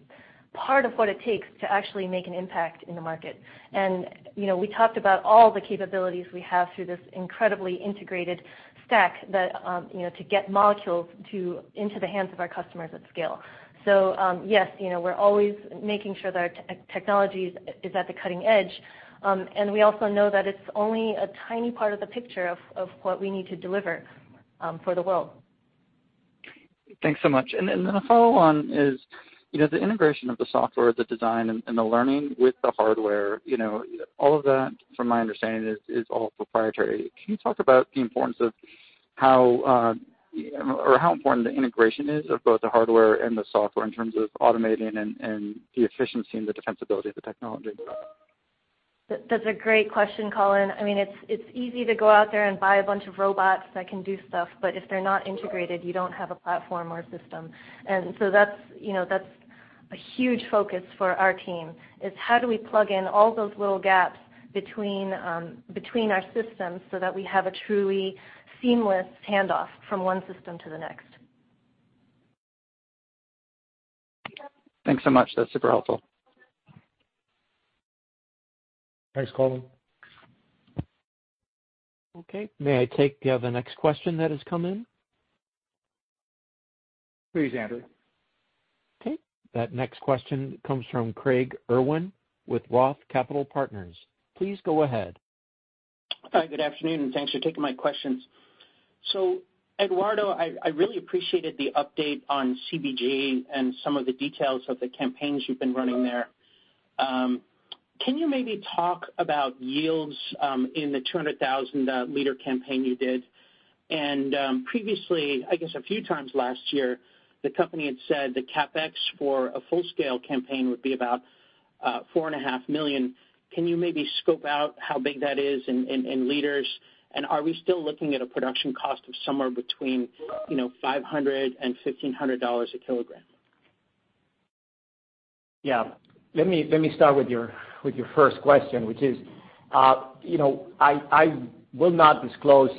part of what it takes to actually make an impact in the market, and we talked about all the capabilities we have through this incredibly integrated stack to get molecules into the hands of our customers at scale, so yes, we're always making sure that our technology is at the cutting edge, and we also know that it's only a tiny part of the picture of what we need to deliver for the world. Thanks so much. And then a follow-on is the integration of the software, the design, and the learning with the hardware. All of that, from my understanding, is all proprietary. Can you talk about the importance of how or how important the integration is of both the hardware and the software in terms of automating and the efficiency and the defensibility of the technology? That's a great question, Colin. I mean, it's easy to go out there and buy a bunch of robots that can do stuff, but if they're not integrated, you don't have a platform or a system. And so that's a huge focus for our team. It's how do we plug in all those little gaps between our systems so that we have a truly seamless handoff from one system to the next? Thanks so much. That's super helpful. Thanks, Colin. Okay. May I take the next question that has come in? Please, Andrew. Okay. That next question comes from Craig Irwin with Roth Capital Partners. Please go ahead. Hi, good afternoon, and thanks for taking my questions. So Eduardo, I really appreciated the update on CBG and some of the details of the campaigns you've been running there. Can you maybe talk about yields in the 200,000-liter campaign you did? And previously, I guess a few times last year, the company had said the CapEx for a full-scale campaign would be about $4.5 million. Can you maybe scope out how big that is in liters? And are we still looking at a production cost of somewhere between $500-$1,500 a kilogram? Yeah. Let me start with your first question, which is, I will not disclose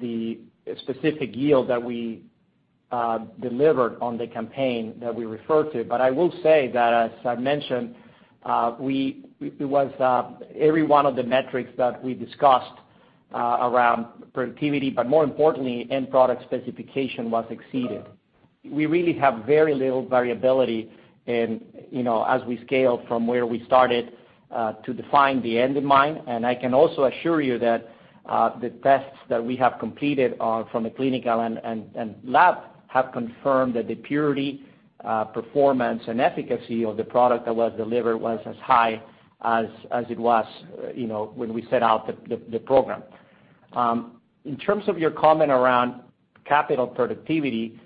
the specific yield that we delivered on the campaign that we referred to, but I will say that, as I mentioned, it was every one of the metrics that we discussed around productivity, but more importantly, end product specification was exceeded. We really have very little variability as we scale from where we started to define the end in mind, and I can also assure you that the tests that we have completed from the clinical and lab have confirmed that the purity, performance, and efficacy of the product that was delivered was as high as it was when we set out the program. In terms of your comment around capital productivity,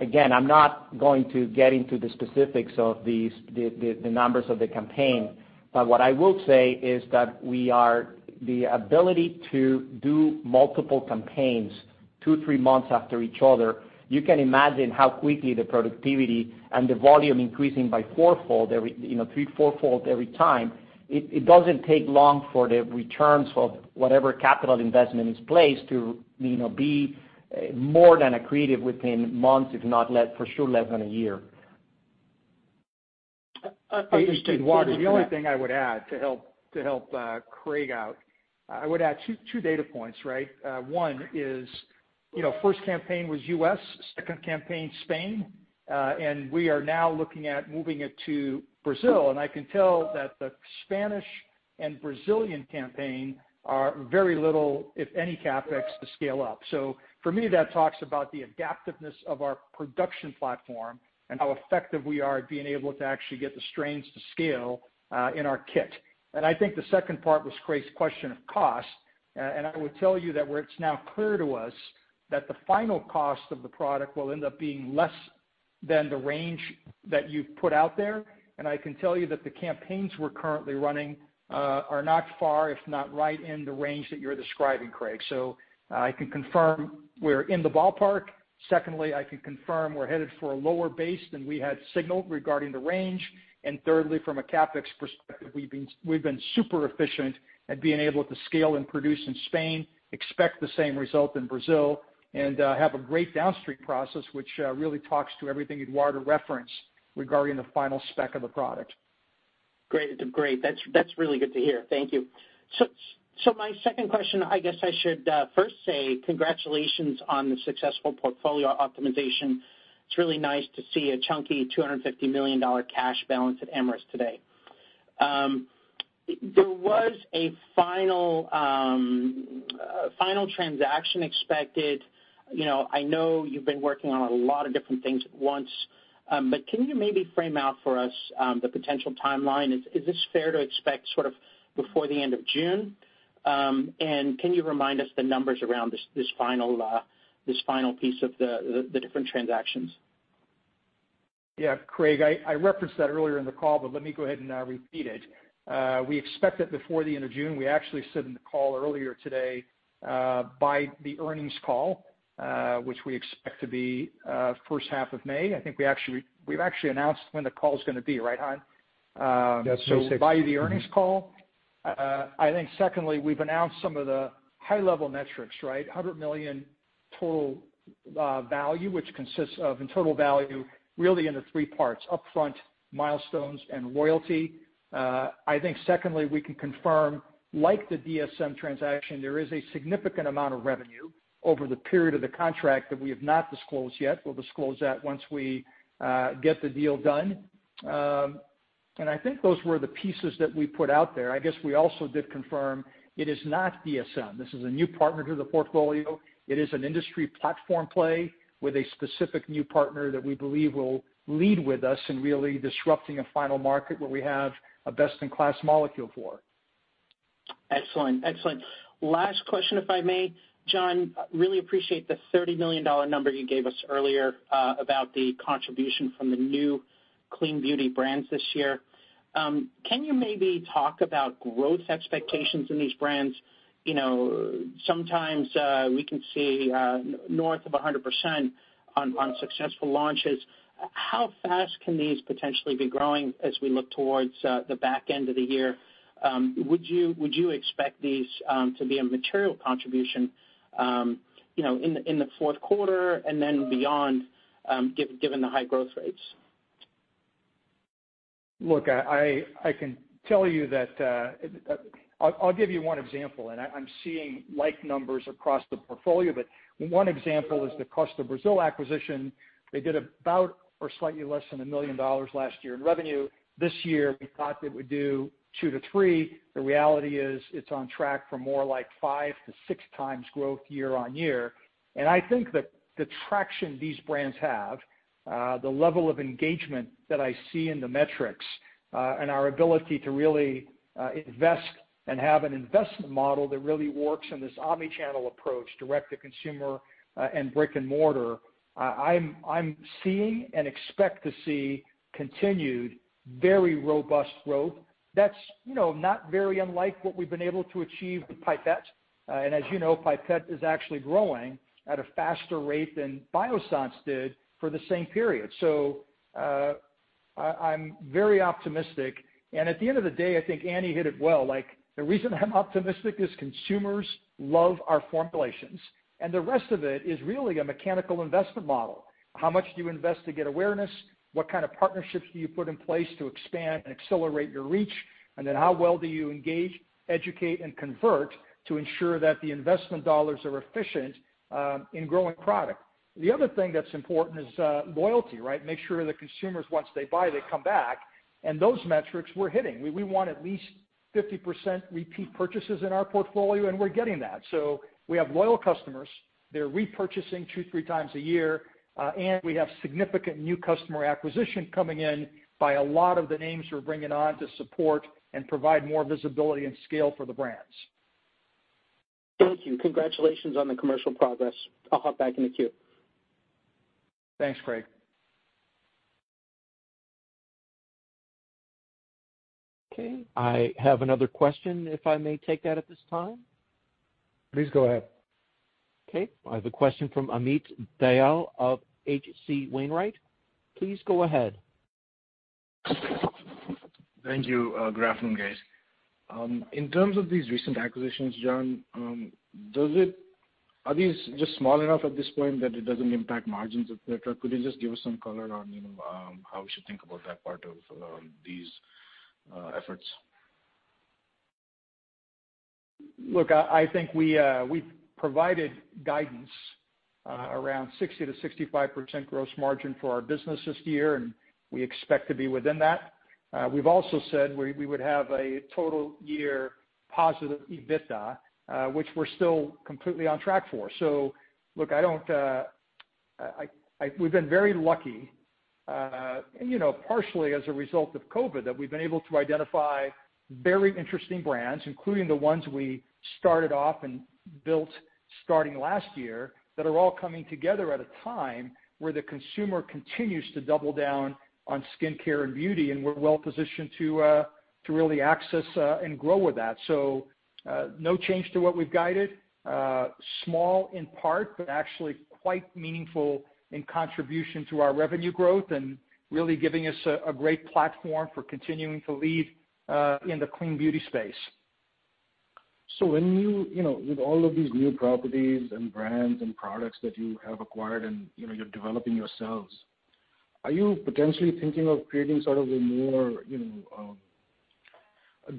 again, I'm not going to get into the specifics of the numbers of the campaign, but what I will say is that the ability to do multiple campaigns two, three months after each other. You can imagine how quickly the productivity and the volume increasing by fourfold, three, fourfold every time. It doesn't take long for the returns of whatever capital investment is placed to be more than accretive within months, if not for sure less than a year. Understood. The only thing I would add to help Craig out, I would add two data points, right? One is first campaign was U.S., second campaign Spain, and we are now looking at moving it to Brazil, and I can tell that the Spanish and Brazilian campaign are very little, if any, CapEx to scale up. So for me, that talks about the adaptiveness of our production platform and how effective we are at being able to actually get the strains to scale in our kit. And I think the second part was Craig's question of cost. And I would tell you that it's now clear to us that the final cost of the product will end up being less than the range that you've put out there. And I can tell you that the campaigns we're currently running are not far, if not right in the range that you're describing, Craig. So I can confirm we're in the ballpark. Secondly, I can confirm we're headed for a lower base than we had signaled regarding the range. Thirdly, from a CapEx perspective, we've been super efficient at being able to scale and produce in Spain, expect the same result in Brazil, and have a great downstream process, which really talks to everything Eduardo referenced regarding the final spec of the product. Great. Great. That's really good to hear. Thank you. My second question, I guess I should first say congratulations on the successful portfolio optimization. It's really nice to see a chunky $250 million cash balance at Amyris today. There was a final transaction expected. I know you've been working on a lot of different things at once, but can you maybe frame out for us the potential timeline? Is this fair to expect sort of before the end of June? And can you remind us the numbers around this final piece of the different transactions? Yeah, Craig, I referenced that earlier in the call, but let me go ahead and repeat it. We expect that before the end of June. We actually said in the call earlier today by the earnings call, which we expect to be first half of May. I think we've actually announced when the call is going to be, right, Han? That's so sick. So, by the earnings call. I think secondly, we've announced some of the high-level metrics, right? $100 million total value, which consists of in total value really in the three parts: upfront, milestones, and loyalty. I think secondly, we can confirm, like the DSM transaction, there is a significant amount of revenue over the period of the contract that we have not disclosed yet. We'll disclose that once we get the deal done. And I think those were the pieces that we put out there. I guess we also did confirm it is not DSM. This is a new partner to the portfolio. It is an industry platform play with a specific new partner that we believe will lead with us in really disrupting a final market where we have a best-in-class molecule for. Excellent. Excellent. Last question, if I may. John, really appreciate the $30 million number you gave us earlier about the contribution from the new clean beauty brands this year. Can you maybe talk about growth expectations in these brands? Sometimes we can see north of 100% on successful launches. How fast can these potentially be growing as we look towards the back end of the year? Would you expect these to be a material contribution in the fourth quarter and then beyond, given the high growth rates? Look, I can tell you that I'll give you one example. And I'm seeing like numbers across the portfolio, but one example is the Costa Brazil acquisition. They did about or slightly less than $1 million last year in revenue. This year, we thought they would do $2 million-$3 million. The reality is it's on track for more like 5-6 times growth year-on-year. I think that the traction these brands have, the level of engagement that I see in the metrics, and our ability to really invest and have an investment model that really works in this omnichannel approach, direct-to-consumer and brick-and-mortar. I'm seeing and expect to see continued very robust growth. That's not very unlike what we've been able to achieve with Pipette. And as you know, Pipette is actually growing at a faster rate than Biossance did for the same period. I'm very optimistic. At the end of the day, I think Annie hit it well. The reason I'm optimistic is consumers love our formulations. The rest of it is really a mechanical investment model. How much do you invest to get awareness? What kind of partnerships do you put in place to expand and accelerate your reach? Then how well do you engage, educate, and convert to ensure that the investment dollars are efficient in growing product? The other thing that's important is loyalty, right? Make sure the consumers, once they buy, they come back. And those metrics we're hitting. We want at least 50% repeat purchases in our portfolio, and we're getting that. So we have loyal customers. They're repurchasing two, three times a year. And we have significant new customer acquisition coming in by a lot of the names we're bringing on to support and provide more visibility and scale for the brands. Thank you. Congratulations on the commercial progress. I'll hop back in the queue. Thanks, Craig. Okay. I have another question, if I may take that at this time. Please go ahead. Okay. I have a question from Amit Dayal of H.C. Wainwright. Please go ahead. Thank you. Good afternoon, guys. In terms of these recent acquisitions, John, are these just small enough at this point that it doesn't impact margins etc.? Could you just give us some color on how we should think about that part of these efforts? Look, I think we've provided guidance around 60%-65% gross margin for our business this year, and we expect to be within that. We've also said we would have a total year positive EBITDA, which we're still completely on track for. So look, we've been very lucky, partially as a result of COVID, that we've been able to identify very interesting brands, including the ones we started off and built starting last year, that are all coming together at a time where the consumer continues to double down on skincare and beauty, and we're well positioned to really access and grow with that. So no change to what we've guided. Small in part, but actually quite meaningful in contribution to our revenue growth and really giving us a great platform for continuing to lead in the clean beauty space. So with all of these new properties and brands and products that you have acquired and you're developing yourselves, are you potentially thinking of creating sort of a more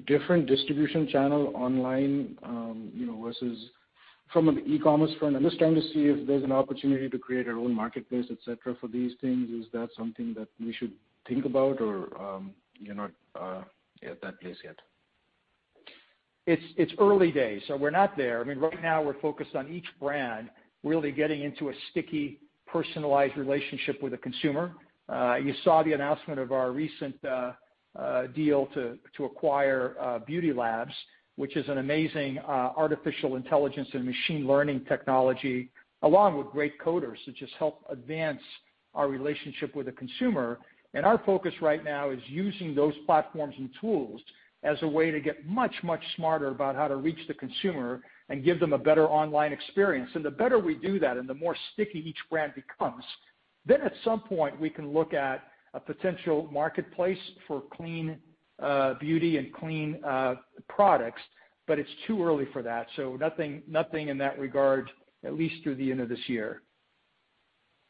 different distribution channel online versus from an e-commerce front? I'm just trying to see if there's an opportunity to create our own marketplace, etc., for these things. Is that something that we should think about, or you're not at that place yet? It's early days, so we're not there. I mean, right now, we're focused on each brand really getting into a sticky personalized relationship with a consumer. You saw the announcement of our recent deal to acquire Beauty Labs, which is an amazing artificial intelligence and machine learning technology, along with great coders to just help advance our relationship with the consumer, and our focus right now is using those platforms and tools as a way to get much, much smarter about how to reach the consumer and give them a better online experience, and the better we do that and the more sticky each brand becomes, then at some point, we can look at a potential marketplace for clean beauty and clean products, but it's too early for that, so nothing in that regard, at least through the end of this year.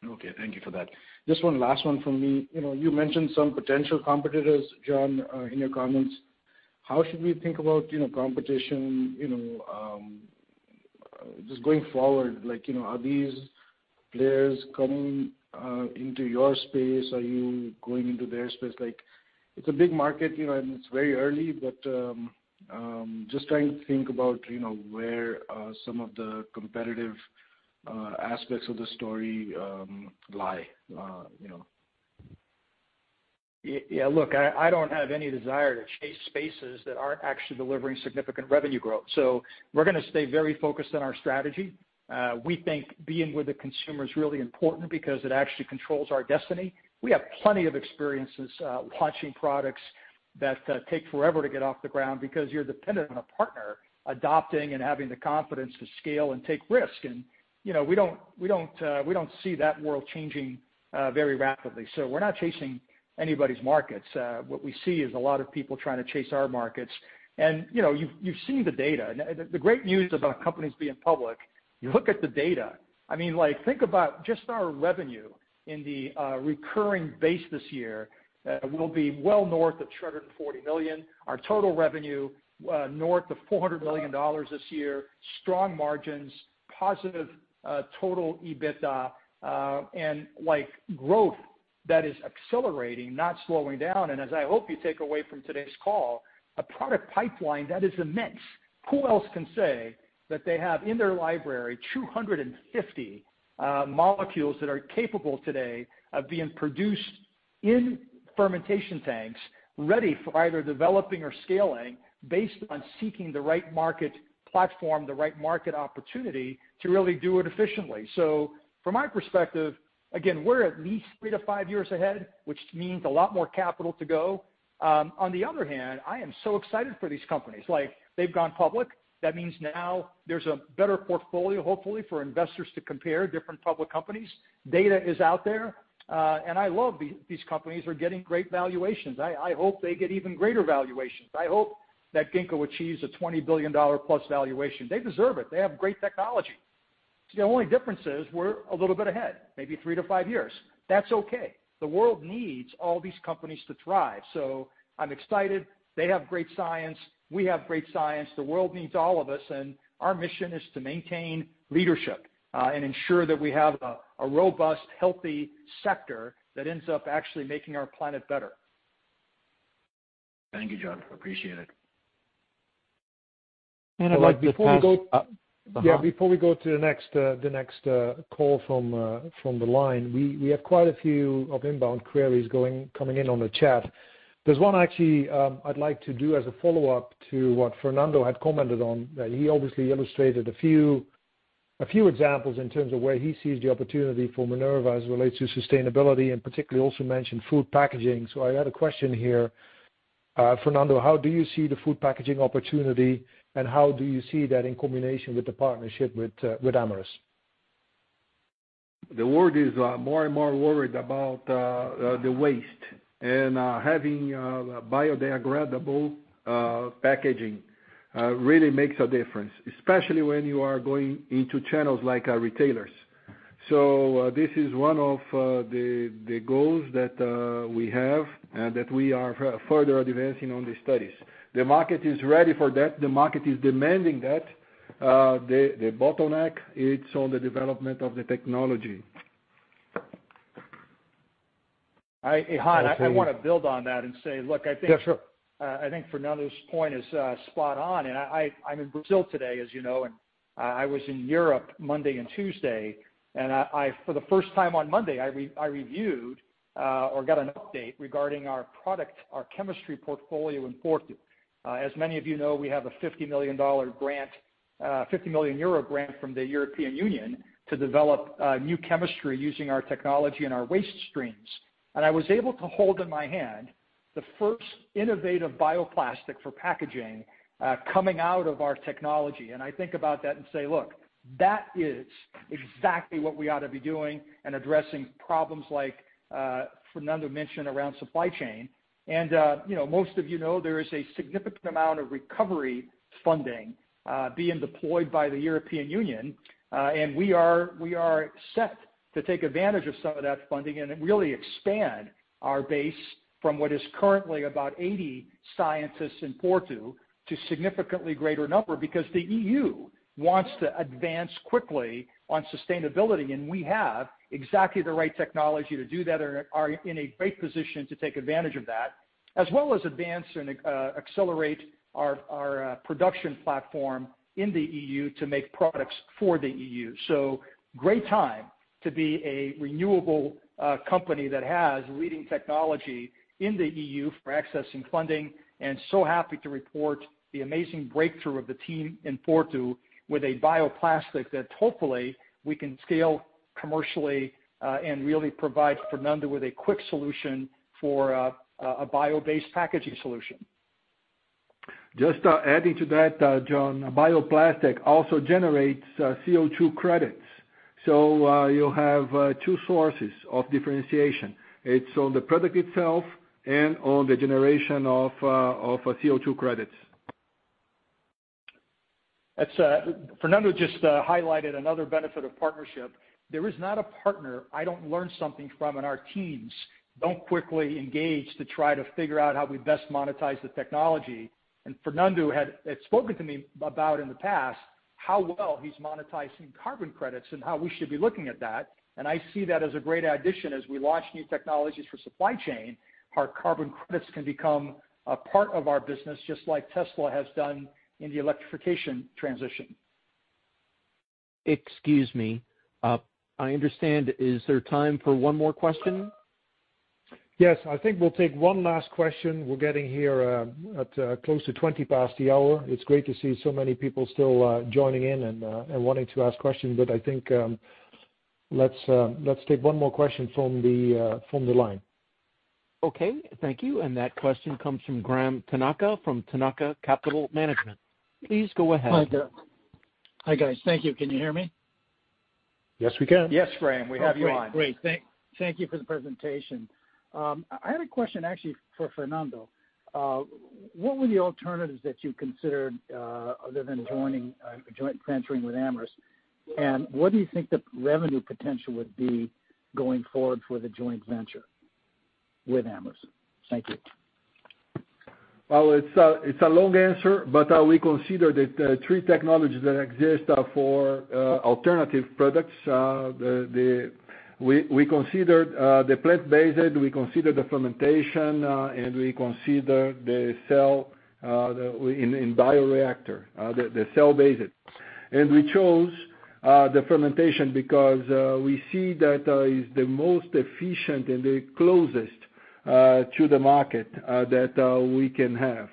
Okay. Thank you for that. Just one last one from me. You mentioned some potential competitors, John, in your comments. How should we think about competition just going forward? Are these players coming into your space? Are you going into their space? It's a big market, and it's very early, but just trying to think about where some of the competitive aspects of the story lie. Yeah. Look, I don't have any desire to chase spaces that aren't actually delivering significant revenue growth. So we're going to stay very focused on our strategy. We think being with the consumer is really important because it actually controls our destiny. We have plenty of experiences launching products that take forever to get off the ground because you're dependent on a partner adopting and having the confidence to scale and take risk. And we don't see that world changing very rapidly. So we're not chasing anybody's markets. What we see is a lot of people trying to chase our markets. And you've seen the data. The great news about companies being public, you look at the data. I mean, think about just our revenue in the recurring base this year. We'll be well north of $240 million. Our total revenue north of $400 million this year. Strong margins, positive total EBITDA, and growth that is accelerating, not slowing down, and as I hope you take away from today's call, a product pipeline that is immense. Who else can say that they have in their library 250 molecules that are capable today of being produced in fermentation tanks ready for either developing or scaling based on seeking the right market platform, the right market opportunity to really do it efficiently? So from my perspective, again, we're at least three-to-five years ahead, which means a lot more capital to go. On the other hand, I am so excited for these companies. They've gone public. That means now there's a better portfolio, hopefully, for investors to compare different public companies. Data is out there, and I love these companies. They're getting great valuations. I hope they get even greater valuations. I hope that Ginkgo achieves a $20 billion plus valuation. They deserve it. They have great technology. The only difference is we're a little bit ahead, maybe three to five years. That's okay. The world needs all these companies to thrive. So I'm excited. They have great science. We have great science. The world needs all of us. And our mission is to maintain leadership and ensure that we have a robust, healthy sector that ends up actually making our planet better. Thank you, John. Appreciate it. I'd like before we go. Before we go. Yeah. Before we go to the next call from the line, we have quite a few of inbound queries coming in on the chat. There's one actually I'd like to do as a follow-up to what Fernando had commented on. He obviously illustrated a few examples in terms of where he sees the opportunity for Minerva as it relates to sustainability and particularly also mentioned food packaging. So I had a question here. Fernando, how do you see the food packaging opportunity and how do you see that in combination with the partnership with Amyris? The world is more and more worried about the waste. And having biodegradable packaging really makes a difference, especially when you are going into channels like retailers. So this is one of the goals that we have and that we are further advancing on the studies. The market is ready for that. The market is demanding that. The bottleneck, it's on the development of the technology. Han, I want to build on that and say, look, I think Fernando's point is spot on. I'm in Brazil today, as you know, and I was in Europe Monday and Tuesday. For the first time on Monday, I reviewed or got an update regarding our product, our chemistry portfolio in Porto. As many of you know, we have a EUR 50 million grant from the European Union to develop new chemistry using our technology and our waste streams. I was able to hold in my hand the first innovative bioplastic for packaging coming out of our technology. I think about that and say, look, that is exactly what we ought to be doing and addressing problems like Fernando mentioned around supply chain. Most of you know there is a significant amount of recovery funding being deployed by the European Union. We are set to take advantage of some of that funding and really expand our base from what is currently about 80 scientists in Porto to a significantly greater number because the EU wants to advance quickly on sustainability. We have exactly the right technology to do that and are in a great position to take advantage of that, as well as advance and accelerate our production platform in the EU to make products for the EU. Great time to be a renewable company that has leading technology in the EU for accessing funding. Happy to report the amazing breakthrough of the team in Porto with a bioplastic that hopefully we can scale commercially and really provide Fernando with a quick solution for a bio-based packaging solution. Just adding to that, John, bioplastic also generates CO2 credits. So you'll have two sources of differentiation. It's on the product itself and on the generation of CO2 credits. Fernando just highlighted another benefit of partnership. There is not a partner I don't learn something from, and our teams don't quickly engage to try to figure out how we best monetize the technology, and Fernando had spoken to me about in the past how well he's monetizing carbon credits and how we should be looking at that, and I see that as a great addition as we launch new technologies for supply chain. Our carbon credits can become a part of our business, just like Tesla has done in the electrification transition. Excuse me. I understand. Is there time for one more question? Yes. I think we'll take one last question. We're getting here at close to 20 past the hour. It's great to see so many people still joining in and wanting to ask questions, but I think let's take one more question from the line. Okay. Thank you, and that question comes from Graham Tanaka from Tanaka Capital Management. Please go ahead. Hi, guys. Thank you. Can you hear me? Yes, we can. Yes, Graham. We have you on. Great. Thank you for the presentation. I had a question actually for Fernando. What were the alternatives that you considered other than joining joint venturing with Amyris? And what do you think the revenue potential would be going forward for the joint venture with Amyris? Thank you. It's a long answer, but we considered the three technologies that exist for alternative products. We considered the plant-based, we considered the fermentation, and we considered the cell in bioreactor, the cell-based. We chose the fermentation because we see that it is the most efficient and the closest to the market that we can have.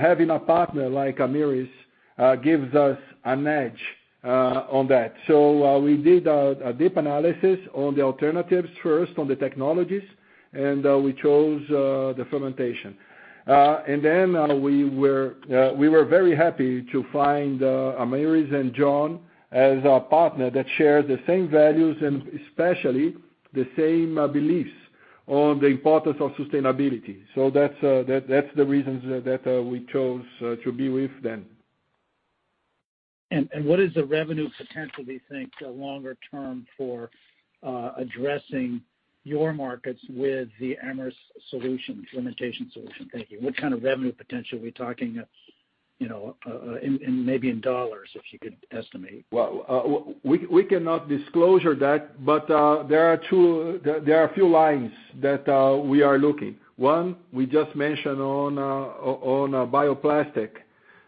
Having a partner like Amyris gives us an edge on that. We did a deep analysis on the alternatives first, on the technologies, and we chose the fermentation. We were very happy to find Amyris and John as a partner that shares the same values and especially the same beliefs on the importance of sustainability. That's the reasons that we chose to be with them. What is the revenue potential, do you think, longer term for addressing your markets with the Amyris solution, fermentation solution? Thank you. What kind of revenue potential are we talking in maybe in dollars if you could estimate? We cannot disclose that, but there are a few lines that we are looking. One, we just mentioned on bioplastic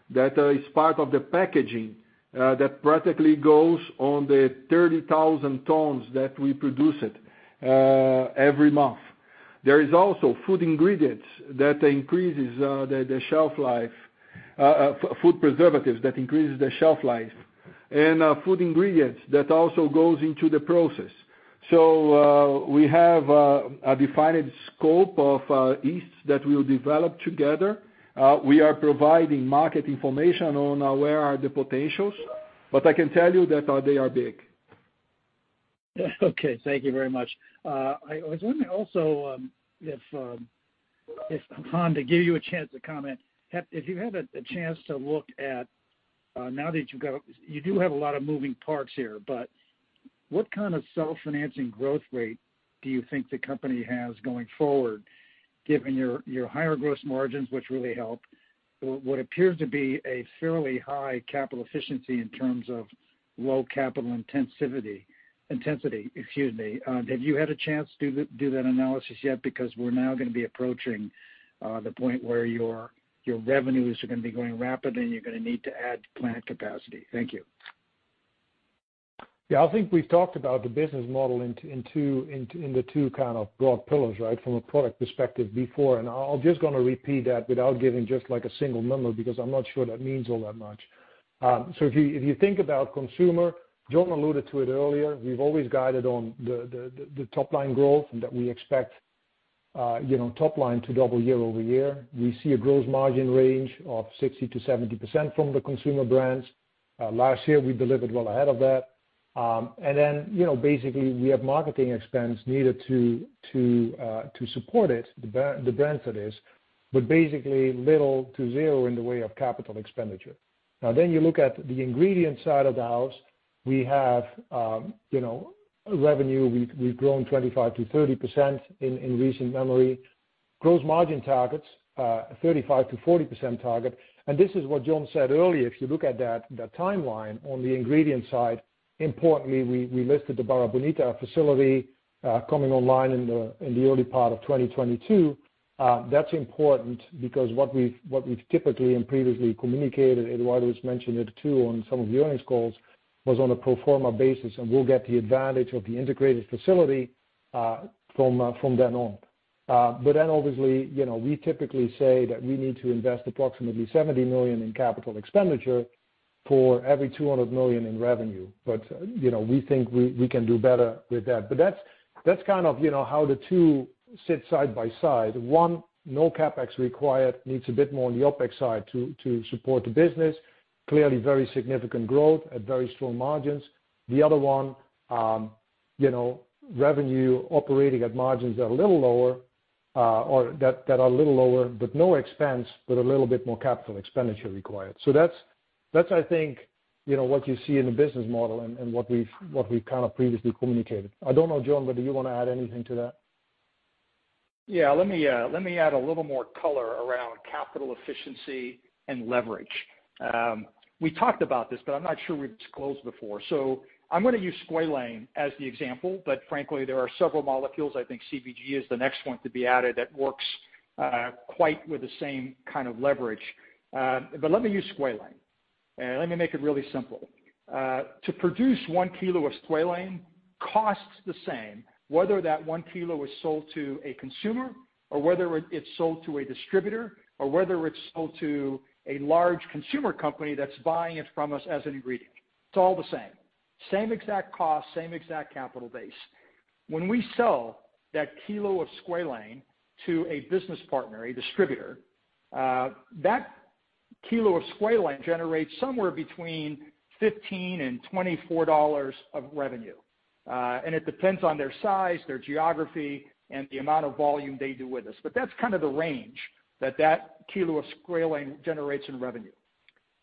that is part of the packaging that practically goes on the 30,000 tons that we produce every month. There is also food ingredients that increase the shelf life, food preservatives that increase the shelf life, and food ingredients that also go into the process. So we have a defined scope of yeasts that we will develop together. We are providing market information on where are the potentials, but I can tell you that they are big. Okay. Thank you very much. I was wondering also if, Han, to give you a chance to comment, if you had a chance to look at now that you've got you do have a lot of moving parts here, but what kind of self-financing growth rate do you think the company has going forward, given your higher gross margins, which really help what appears to be a fairly high capital efficiency in terms of low capital intensity? Excuse me. Have you had a chance to do that analysis yet? Because we're now going to be approaching the point where your revenues are going to be going rapidly and you're going to need to add plant capacity. Thank you. Yeah. I think we've talked about the business model in the two kind of broad pillars, right, from a product perspective before, and I'm just going to repeat that without giving just a single number because I'm not sure that means all that much, so if you think about consumer, John alluded to it earlier. We've always guided on the top-line growth and that we expect top-line to double year-over-year. We see a gross margin range of 60%-70% from the consumer brands. Last year, we delivered well ahead of that, and then basically, we have marketing expense needed to support it, the brands that is, but basically little to zero in the way of capital expenditure. Now, then, you look at the ingredient side of the house. We have revenue. We've grown 25%-30% in recent memory. Gross margin targets, 35%-40% target. And this is what John said earlier. If you look at that timeline on the ingredient side, importantly, we listed the Barra Bonita facility coming online in the early part of 2022. That's important because what we've typically and previously communicated, Eduardo has mentioned it too on some of the earnings calls, was on a pro forma basis, and we'll get the advantage of the integrated facility from then on. But then obviously, we typically say that we need to invest approximately $70 million in capital expenditure for every $200 million in revenue. But we think we can do better with that. But that's kind of how the two sit side-by-side. One, no CapEx required, needs a bit more on the OpEx side to support the business. Clearly, very significant growth at very strong margins. The other one, revenue operating at margins that are a little lower or that are a little lower, but no expense, but a little bit more capital expenditure required. So that's, I think, what you see in the business model and what we've kind of previously communicated. I don't know, John, whether you want to add anything to that. Yeah. Let me add a little more color around capital efficiency and leverage. We talked about this, but I'm not sure we've disclosed before. So I'm going to use squalane as the example, but frankly, there are several molecules. I think CBG is the next one to be added that works quite with the same kind of leverage. But let me use squalane. Let me make it really simple. To produce one kilo of squalane costs the same, whether that one kilo is sold to a consumer or whether it's sold to a distributor or whether it's sold to a large consumer company that's buying it from us as an ingredient. It's all the same. Same exact cost, same exact capital base. When we sell that kilo of squalane to a business partner, a distributor, that kilo of squalane generates somewhere between $15 and $24 of revenue. It depends on their size, their geography, and the amount of volume they do with us. That's kind of the range that that kilo of squalane generates in revenue.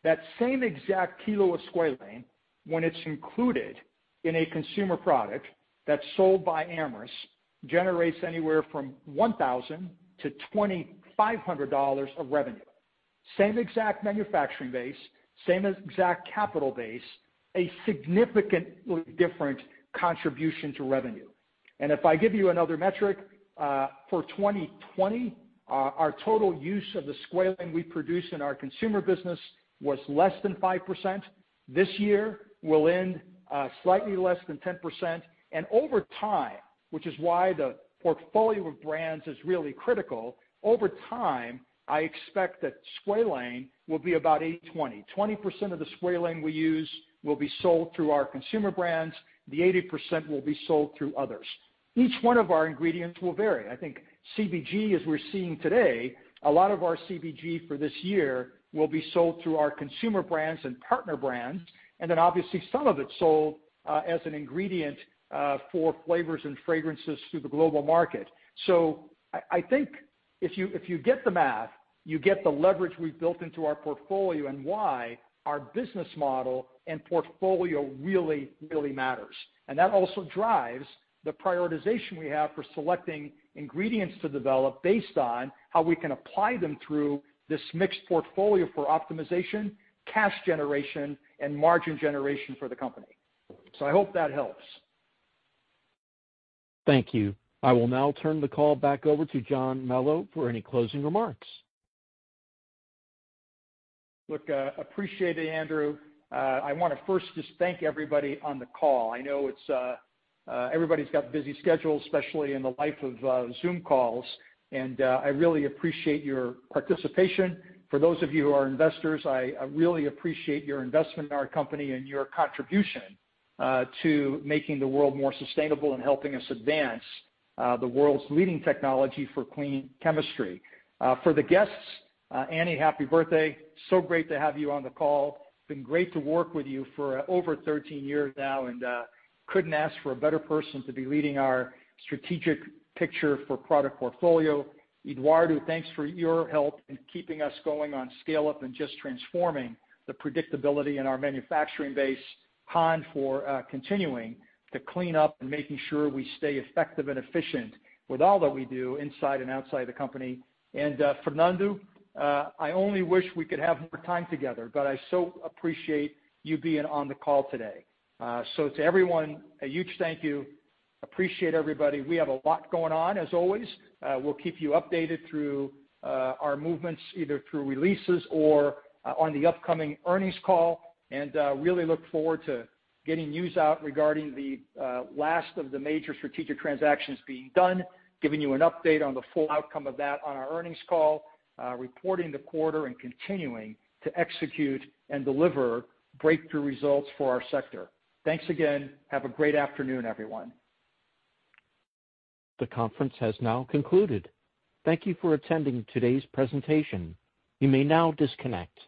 That same exact kilo of squalane, when it's included in a consumer product that's sold by Amyris, generates anywhere from $1,000-$2,500 of revenue. Same exact manufacturing base, same exact capital base, a significantly different contribution to revenue. If I give you another metric, for 2020, our total use of the squalane we produce in our consumer business was less than 5%. This year, we'll end slightly less than 10%. Over time, which is why the portfolio of brands is really critical, over time, I expect that squalane will be about 80/20. 20% of the squalane we use will be sold through our consumer brands. The 80% will be sold through others. Each one of our ingredients will vary. I think CBG, as we're seeing today, a lot of our CBG for this year will be sold through our consumer brands and partner brands, and then obviously, some of it sold as an ingredient for flavors and fragrances through the global market, so I think if you get the math, you get the leverage we've built into our portfolio and why our business model and portfolio really, really matters, and that also drives the prioritization we have for selecting ingredients to develop based on how we can apply them through this mixed portfolio for optimization, cash generation, and margin generation for the company, so I hope that helps. Thank you. I will now turn the call back over to John Melo for any closing remarks. Look, appreciate it, Andrew. I want to first just thank everybody on the call. I know everybody's got busy schedules, especially in the life of Zoom calls, and I really appreciate your participation. For those of you who are investors, I really appreciate your investment in our company and your contribution to making the world more sustainable and helping us advance the world's leading technology for clean chemistry. For the guests, Annie, happy birthday, so great to have you on the call. It's been great to work with you for over 13 years now, and couldn't ask for a better person to be leading our strategic picture for product portfolio. Eduardo, thanks for your help in keeping us going on scale-up and just transforming the predictability in our manufacturing base. Han, for continuing to clean up and making sure we stay effective and efficient with all that we do inside and outside the company. And Fernando, I only wish we could have more time together, but I so appreciate you being on the call today. So to everyone, a huge thank you. Appreciate everybody. We have a lot going on, as always. We'll keep you updated through our movements, either through releases or on the upcoming earnings call. And really look forward to getting news out regarding the last of the major strategic transactions being done, giving you an update on the full outcome of that on our earnings call, reporting the quarter, and continuing to execute and deliver breakthrough results for our sector. Thanks again. Have a great afternoon, everyone. The conference has now concluded. Thank you for attending today's presentation. You may now disconnect.